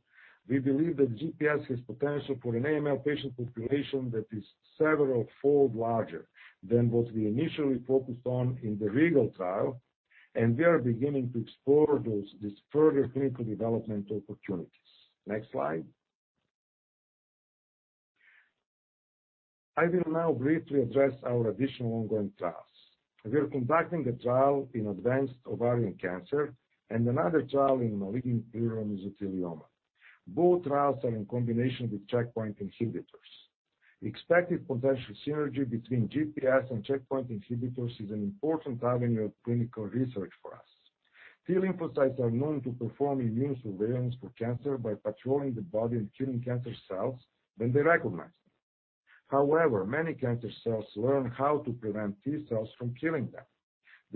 we believe that GPS has potential for an AML patient population that is several fold larger than what we initially focused on in the REGAL trial, and we are beginning to explore these further clinical development opportunities. Next slide. I will now briefly address our additional ongoing trials. We are conducting a trial in advanced ovarian cancer and another trial in malignant pleural mesothelioma. Both trials are in combination with checkpoint inhibitors. Expected potential synergy between GPS and checkpoint inhibitors is an important avenue of clinical research for us. T lymphocytes are known to perform immune surveillance for cancer by patrolling the body and killing cancer cells when they recognize them.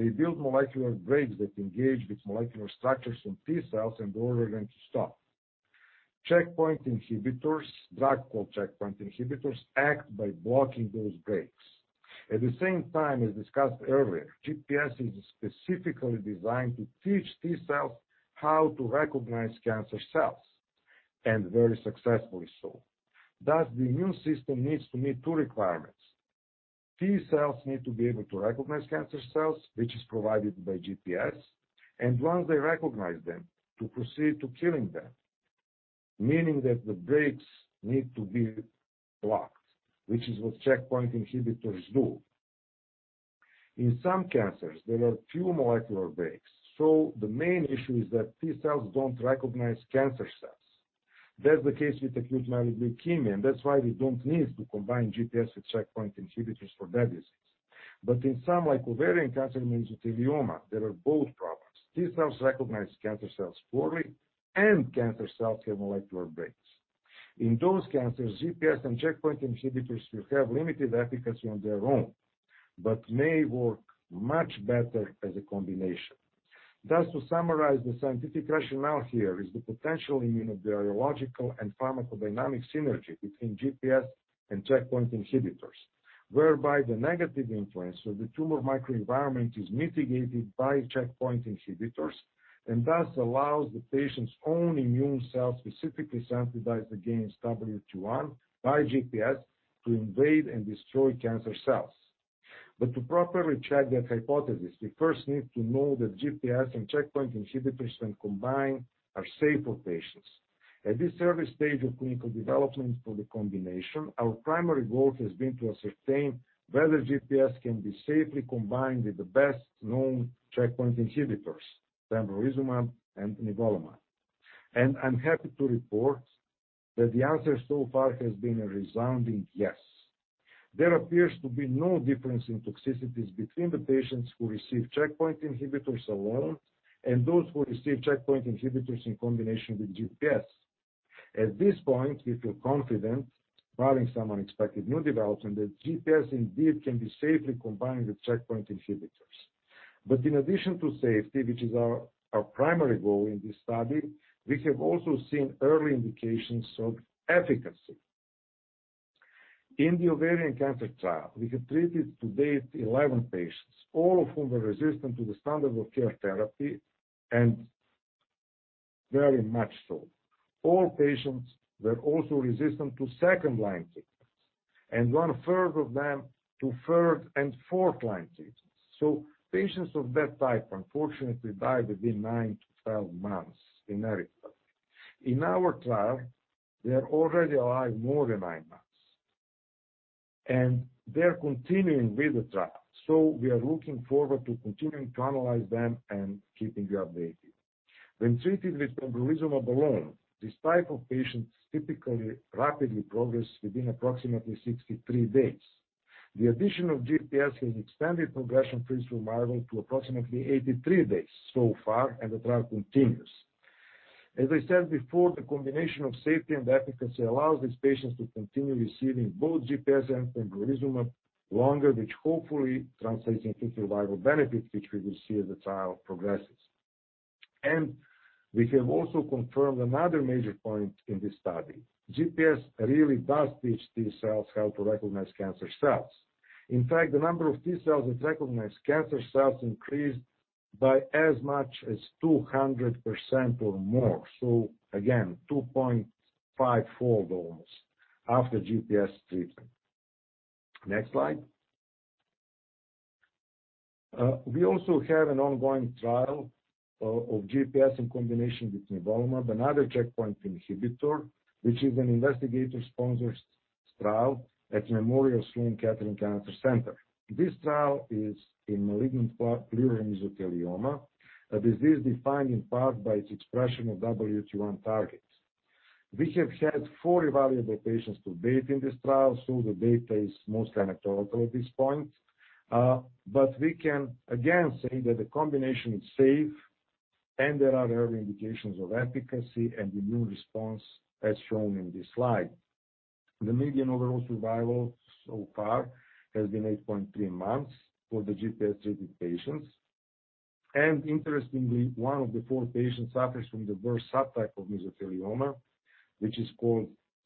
They build molecular brakes that engage with molecular structures from T cells and order them to stop. Checkpoint inhibitors, drugs called checkpoint inhibitors, act by blocking those brakes. At the same time, as discussed earlier, GPS is specifically designed to teach T cells how to recognize cancer cells, and very successfully so. Thus, the immune system needs to meet two requirements. T cells need to be able to recognize cancer cells, which is provided by GPS, and once they recognize them, to proceed to killing them, meaning that the brakes need to be blocked, which is what checkpoint inhibitors do. In some cancers, there are few molecular brakes, so the main issue is that T cells don't recognize cancer cells. That's the case with acute myeloid leukemia, and that's why we don't need to combine GPS with checkpoint inhibitors for that disease. But in some, like ovarian cancer and mesothelioma, there are both problems. T cells recognize cancer cells poorly, and cancer cells have molecular brakes. In those cancers, GPS and checkpoint inhibitors will have limited efficacy on their own but may work much better as a combination. Thus, to summarize the scientific rationale here is the potential immunobiological and pharmacodynamic synergy between GPS and checkpoint inhibitors, whereby the negative influence of the tumor microenvironment is mitigated by checkpoint inhibitors, and thus allows the patient's own immune cells, specifically sensitized against WT1 by GPS, to invade and destroy cancer cells. To properly check that hypothesis, we first need to know that GPS and checkpoint inhibitors when combined are safe for patients. At this early stage of clinical development for the combination, our primary goal has been to ascertain whether GPS can be safely combined with the best-known checkpoint inhibitors, pembrolizumab and nivolumab. I'm happy to report that the answer so far has been a resounding yes. There appears to be no difference in toxicities between the patients who receive checkpoint inhibitors alone and those who receive checkpoint inhibitors in combination with GPS. In addition to safety, which is our primary goal in this study, we have also seen early indications of efficacy. In the ovarian cancer trial, we have treated to date 11 patients, all of whom were resistant to the standard of care therapy and very much so. All patients were also resistant to second-line treatments, and one-third of them to third and fourth-line treatments. Patients of that type unfortunately die within 9-12 months in average. In our trial, they are already alive more than nie months, and they are continuing with the trial, so we are looking forward to continuing to analyze them and keeping you updated. When treated with pembrolizumab alone, this type of patients typically rapidly progress within approximately 63 days. The addition of GPS has extended progression-free survival to approximately 83 days so far, and the trial continues. As I said before, the combination of safety and efficacy allows these patients to continue receiving both GPS and pembrolizumab longer, which hopefully translates into survival benefit, which we will see as the trial progresses. We have also confirmed another major point in this study. GPS really does teach T cells how to recognize cancer cells. In fact, the number of T cells that recognize cancer cells increased by as much as 200% or more. Again, 2.5 fold almost after GPS treatment. Next slide. We also have an ongoing trial of GPS in combination with nivolumab, another checkpoint inhibitor, which is an investigator-sponsored trial at Memorial Sloan Kettering Cancer Center. This trial is in malignant pleural mesothelioma, a disease defined in part by its expression of WT1 target. We have had four evaluable patients to date in this trial, so the data is mostly anecdotal at this point. We can again say that the combination is safe and there are early indications of efficacy and immune response as shown in this slide. The median overall survival so far has been 8.3 months for the GPS-treated patients. Interestingly, one of the four patients suffers from the worst subtype of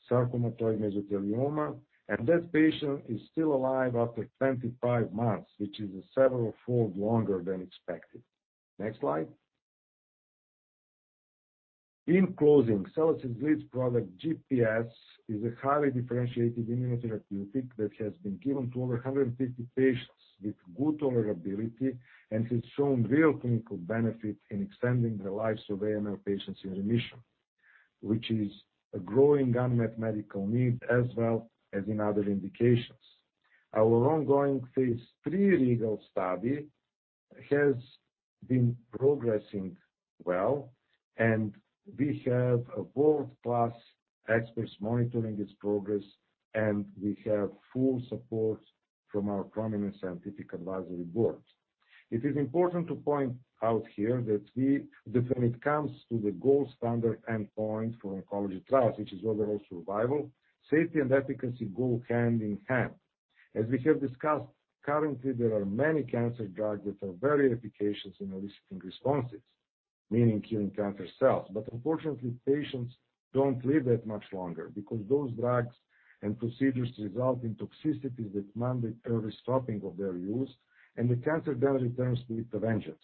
sarcomatoid mesothelioma, and that patient is still alive after 25 months, which is several fold longer than expected. Next slide. In closing, SELLAS' lead product, GPS, is a highly differentiated immunotherapeutic that has been given to over 150 patients with good tolerability and has shown real clinical benefit in extending the lives of AML patients in remission, which is a growing unmet medical need as well as in other indications. Our ongoing phase III REGAL study has been progressing well, and we have world-class experts monitoring its progress, and we have full support from our prominent scientific advisory board. It is important to point out here that when it comes to the gold standard endpoint for oncology trials, which is overall survival, safety, and efficacy go hand in hand. As we have discussed, currently there are many cancer drugs that are very efficacious in eliciting responses, meaning killing cancer cells. Unfortunately, patients don't live that much longer because those drugs and procedures result in toxicities that mandate early stopping of their use, and the cancer then returns with a vengeance.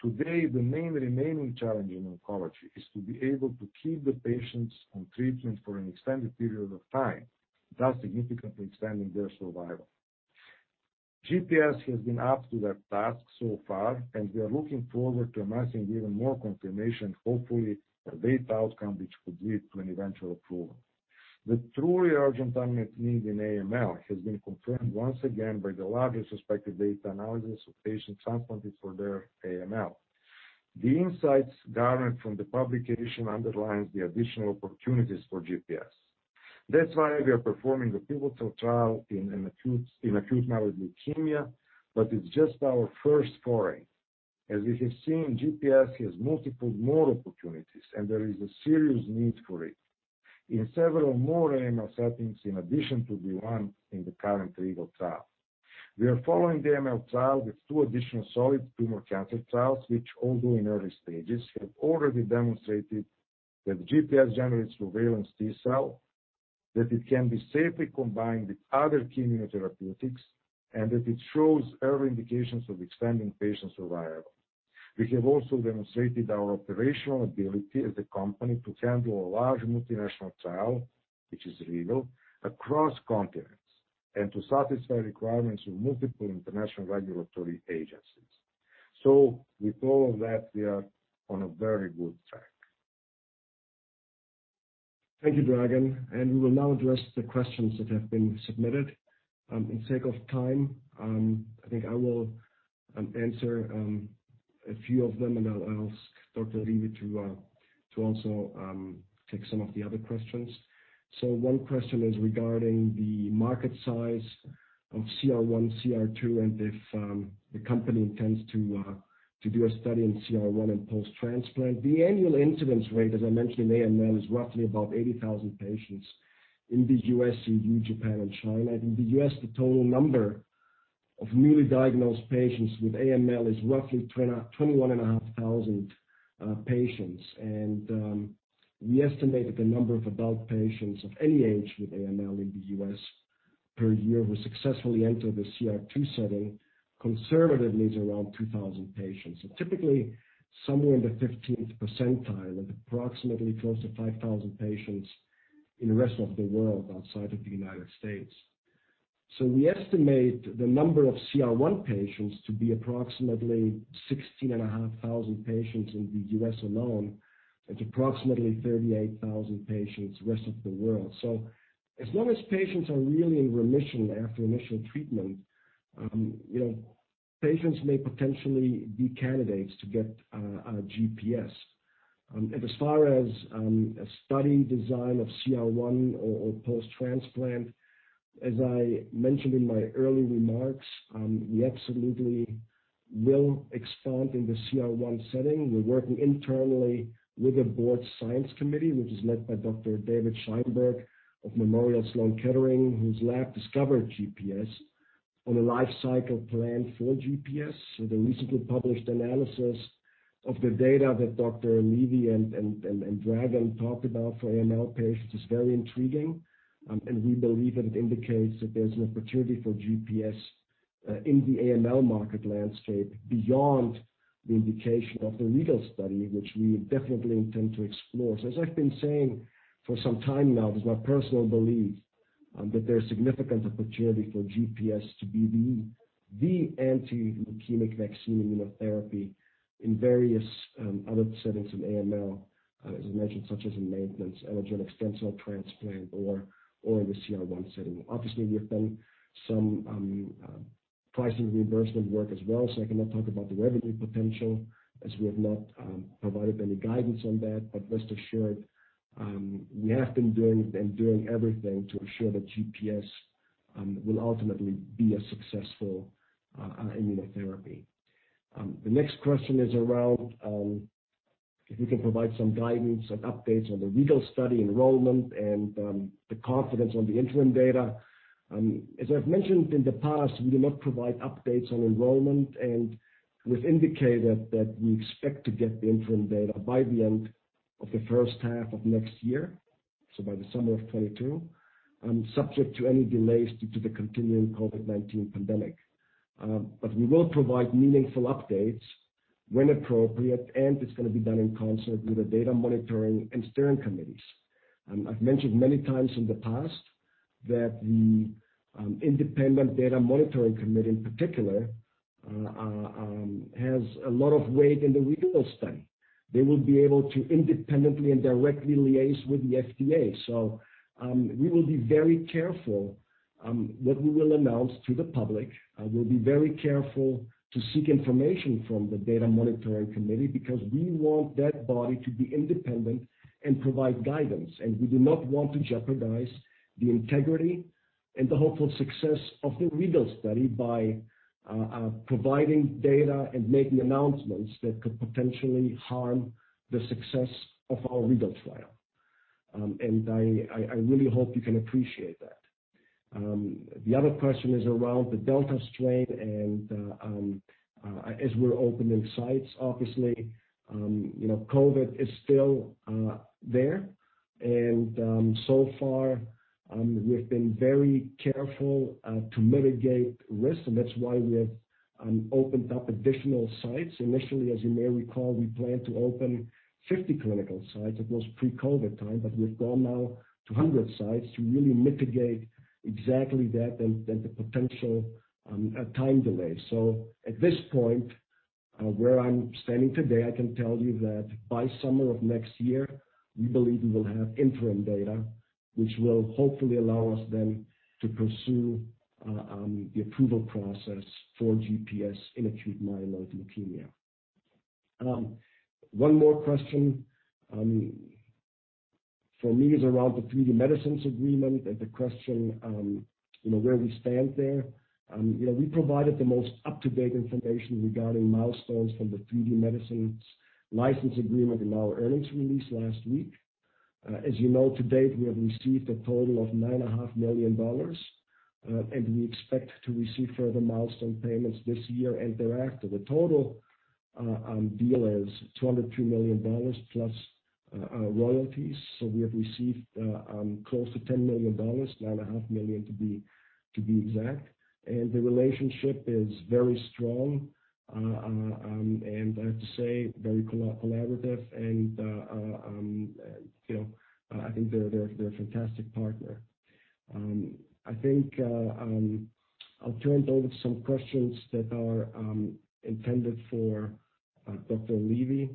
Today, the main remaining challenge in oncology is to be able to keep the patients on treatment for an extended period of time, thus significantly extending their survival. GPS has been up to that task so far, and we are looking forward to amassing even more confirmation, hopefully a data outcome which could lead to an eventual approval. The truly urgent unmet need in AML has been confirmed once again by the largest respective data analysis of patients transplanted for their AML. The insights garnered from the publication underlines the additional opportunities for GPS. That's why we are performing a pivotal trial in acute myeloid leukemia, but it's just our first foray. As you have seen, GPS has multiple more opportunities, and there is a serious need for it in several more AML settings in addition to the one in the current REGAL trial. We are following the AML trial with two additional solid tumor cancer trials, which, although in early stages, have already demonstrated that GPS generates surveillance T cell, that it can be safely combined with other immunotherapeutics, and that it shows early indications of extending patient survival. We have also demonstrated our operational ability as a company to handle a large multinational trial, which is REGAL, across continents, and to satisfy requirements of multiple international regulatory agencies. With all of that, we are on a very good track. Thank you, Dragan, and we will now address the questions that have been submitted. For sake of time, I think I will answer a few of them, and I'll ask Dr. Levy to also take some of the other questions. One question is regarding the market size of CR1, CR2, and if the company intends to do a study in CR1 in post-transplant. The annual incidence rate, as I mentioned, in AML is roughly about 80,000 patients in the U.S., E.U., Japan, and China. In the U.S., the total number of newly diagnosed patients with AML is roughly 21,500 patients. We estimate that the number of adult patients of any age with AML in the U.S. per year who successfully enter the CR2 setting, conservatively, is around 2,000 patients. Typically, somewhere in the 15th percentile, and approximately close to 5,000 patients in the rest of the world outside of the U.S. We estimate the number of CR1 patients to be approximately 16,500 patients in the U.S. alone, and approximately 38,000 patients rest of the world. As long as patients are really in remission after initial treatment, patients may potentially be candidates to get our GPS. As far as a study design of CR1 or post-transplant, as I mentioned in my early remarks, we absolutely will expand in the CR1 setting. We're working internally with a Board Science Committee, which is led by Dr. David Scheinberg of Memorial Sloan Kettering, whose lab discovered GPS, on a life cycle plan for GPS. The recently published analysis of the data that Dr. Levy and Dragan Cicic talked about for AML patients is very intriguing, and we believe that it indicates that there's an opportunity for GPS in the AML market landscape beyond the indication of the REGAL study, which we definitely intend to explore. As I've been saying for some time now, it is my personal belief that there's significant opportunity for GPS to be the anti-leukemic vaccine immunotherapy in various other settings in AML, as I mentioned, such as in maintenance and allogeneic stem cell transplant or the CR1 setting. Obviously, we have done some pricing reimbursement work as well, so I cannot talk about the revenue potential, as we have not provided any guidance on that. Rest assured, we have been doing everything to ensure that GPS will ultimately be a successful immunotherapy. The next question is around if we can provide some guidance and updates on the REGAL study enrollment and the confidence on the interim data. As I've mentioned in the past, we do not provide updates on enrollment and we've indicated that we expect to get the interim data by the end of the first half of next year, so by the summer of 2022, subject to any delays due to the continuing COVID-19 pandemic. We will provide meaningful updates when appropriate, and it's going to be done in concert with the data monitoring and steering committees. I've mentioned many times in the past that the independent data monitoring committee in particular has a lot of weight in the REGAL study. They will be able to independently and directly liaise with the FDA. We will be very careful what we will announce to the public. We'll be very careful to seek information from the data monitoring committee because we want that body to be independent and provide guidance, and we do not want to jeopardize the integrity and the hopeful success of the REGAL study by providing data and making announcements that could potentially harm the success of our REGAL trial. I really hope you can appreciate that. The other question is around the Delta variant and as we're opening sites, obviously, COVID-19 is still there. So far, we've been very careful to mitigate risk, and that's why we have opened up additional sites. Initially, as you may recall, we planned to open 50 clinical sites. That was pre-COVID-19 time, but we've gone now to 100 sites to really mitigate exactly that and the potential time delay. At this point, where I'm standing today, I can tell you that by summer of next year, we believe we will have interim data, which will hopefully allow us then to pursue the approval process for GPS in Acute Myeloid Leukemia. One more question for me is around the 3D Medicines agreement and the question where we stand there. We provided the most up-to-date information regarding milestones from the 3D Medicines license agreement in our earnings release last week. As you know, to date, we have received a total of $9.5 million, and we expect to receive further milestone payments this year and thereafter. The total deal is $202 million plus royalties. We have received close to $10 million, $9.5 million to be exact. The relationship is very strong, and I have to say, very collaborative and I think they're a fantastic partner. I think I'll turn over some questions that are intended for Dr. Levy.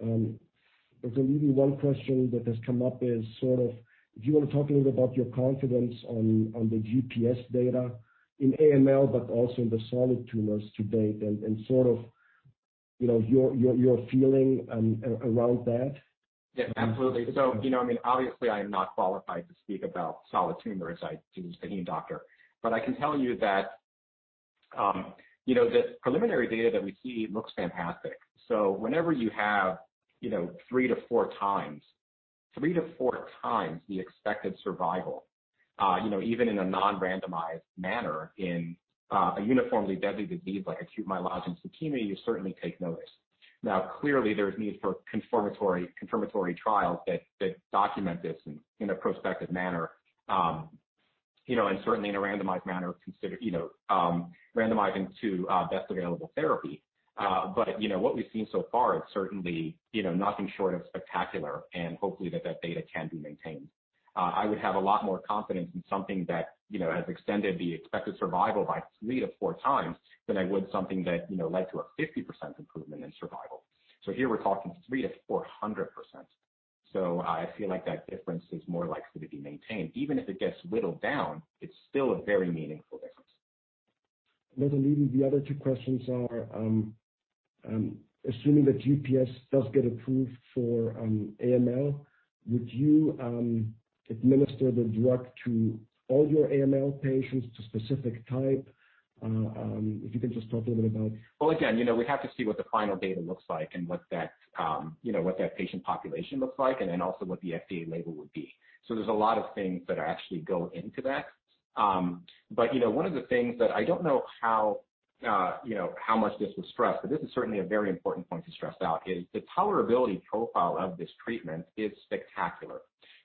Dr. Levy, one question that has come up is sort of if you want to talk a little about your confidence on the GPS data in AML, but also in the solid tumors to date and sort of your feeling around that. Yeah, absolutely. Obviously, I am not qualified to speak about solid tumors. I'm just a heme doctor. I can tell you that the preliminary data that we see looks fantastic. Whenever you have three to four times the expected survival, even in a non-randomized manner in a uniformly deadly disease like Acute Myeloid Leukemia, you certainly take notice. Now, clearly, there's need for confirmatory trials that document this in a prospective manner, and certainly in a randomized manner, randomizing to best available therapy. What we've seen so far is certainly nothing short of spectacular, and hopefully that data can be maintained. I would have a lot more confidence in something that has extended the expected survival by three to four times than I would something that led to a 50% improvement in survival. Here we're talking 300%-400%. I feel like that difference is more likely to be maintained. Even if it gets whittled down, it's still a very meaningful difference. Dr. Levy, the other two questions are, assuming that galinpepimut-S does get approved for AML, would you administer the drug to all your AML patients to specific type? If you can just talk a little bit about. Well, again, we have to see what the final data looks like and what that patient population looks like, and then also what the FDA label would be. There's a lot of things that actually go into that. One of the things that I don't know how much this was stressed, but this is certainly a very important point to stress out, is the tolerability profile of this treatment is spectacular.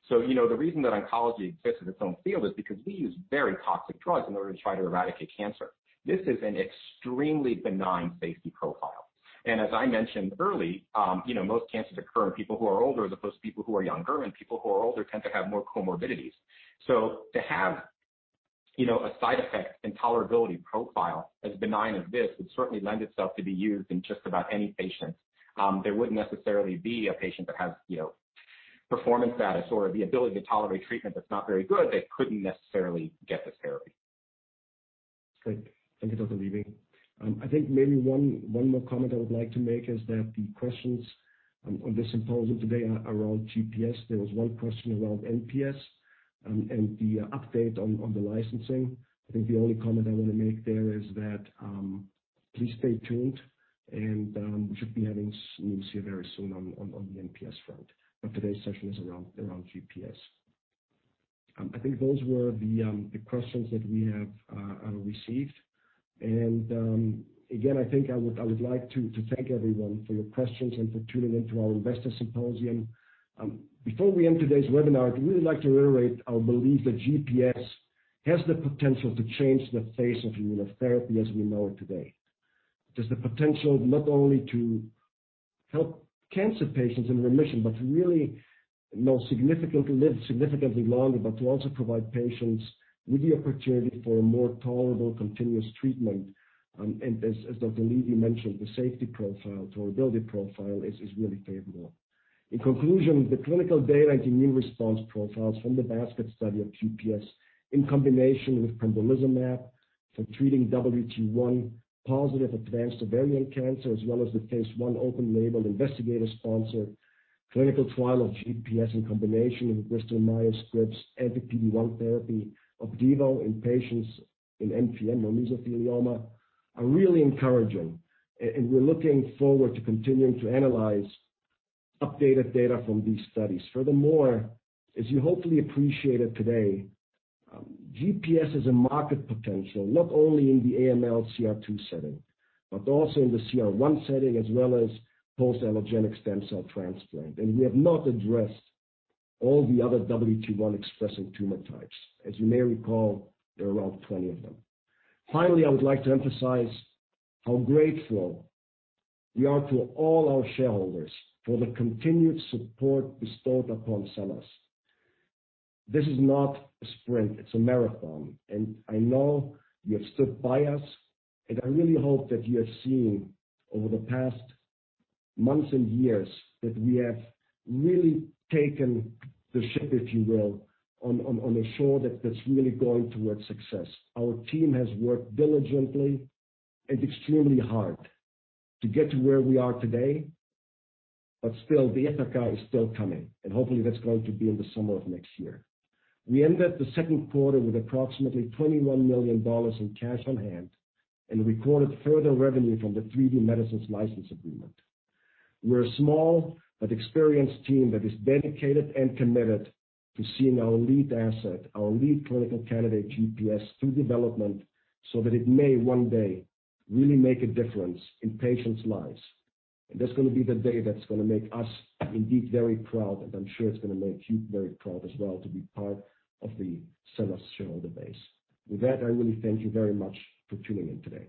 The reason that oncology exists as its own field is because we use very toxic drugs in order to try to eradicate cancer. This is an extremely benign safety profile. As I mentioned early, most cancers occur in people who are older as opposed to people who are younger, and people who are older tend to have more comorbidities. To have a side effect and tolerability profile as benign as this would certainly lend itself to be used in just about any patient. There wouldn't necessarily be a patient that has performance status or the ability to tolerate treatment that's not very good that couldn't necessarily get this therapy. Great. Thank you, Dr. Levy. I think maybe one more comment I would like to make is that the questions on the symposium today are around galinpepimut-S. There was one question around nelipepimut-S and the update on the licensing. I think the only comment I want to make there is that please stay tuned and we should be having news here very soon on the nelipepimut-S front. Today's session is around galinpepimut-S. I think those were the questions that we have received. Again, I think I would like to thank everyone for your questions and for tuning into our investor symposium. Before we end today's webinar, I'd really like to reiterate our belief that galinpepimut-S has the potential to change the face of immunotherapy as we know it today. It has the potential not only to help cancer patients in remission, but to really not significantly live longer, but to also provide patients with the opportunity for a more tolerable, continuous treatment. As Dr. Levy mentioned, the safety profile, tolerability profile is really favorable. In conclusion, the clinical data and immune response profiles from the basket study of galinpepimut-S in combination with pembrolizumab for treating WT1-positive advanced ovarian cancer, as well as the phase I open-label investigator-sponsored clinical trial of galinpepimut-S in combination with Bristol Myers Squibb's anti-PD-1 therapy Opdivo in patients in MPM or mesothelioma are really encouraging. We're looking forward to continuing to analyze updated data from these studies. Furthermore, as you hopefully appreciated today, galinpepimut-S has a market potential not only in the AML CR2 setting, but also in the CR1 setting, as well as post-allogeneic stem cell transplant. We have not addressed all the other WT1 expressing tumor types. As you may recall, there are around 20 of them. Finally, I would like to emphasize how grateful we are to all our shareholders for the continued support bestowed upon SELLAS. This is not a sprint, it's a marathon, and I know you have stood by us, and I really hope that you have seen over the past months and years that we have really taken the ship, if you will, on a shore that's really going towards success. Our team has worked diligently and extremely hard to get to where we are today. Still, the Ithaca is still coming, and hopefully that's going to be in the summer of next year. We ended the second quarter with approximately $21 million in cash on hand and recorded further revenue from the 3D Medicines license agreement. We're a small but experienced team that is dedicated and committed to seeing our lead asset, our lead clinical candidate galinpepimut-S through development so that it may one day really make a difference in patients' lives. That's going to be the day that's going to make us indeed very proud, and I'm sure it's going to make you very proud as well to be part of the SELLAS shareholder base. With that, I really thank you very much for tuning in today.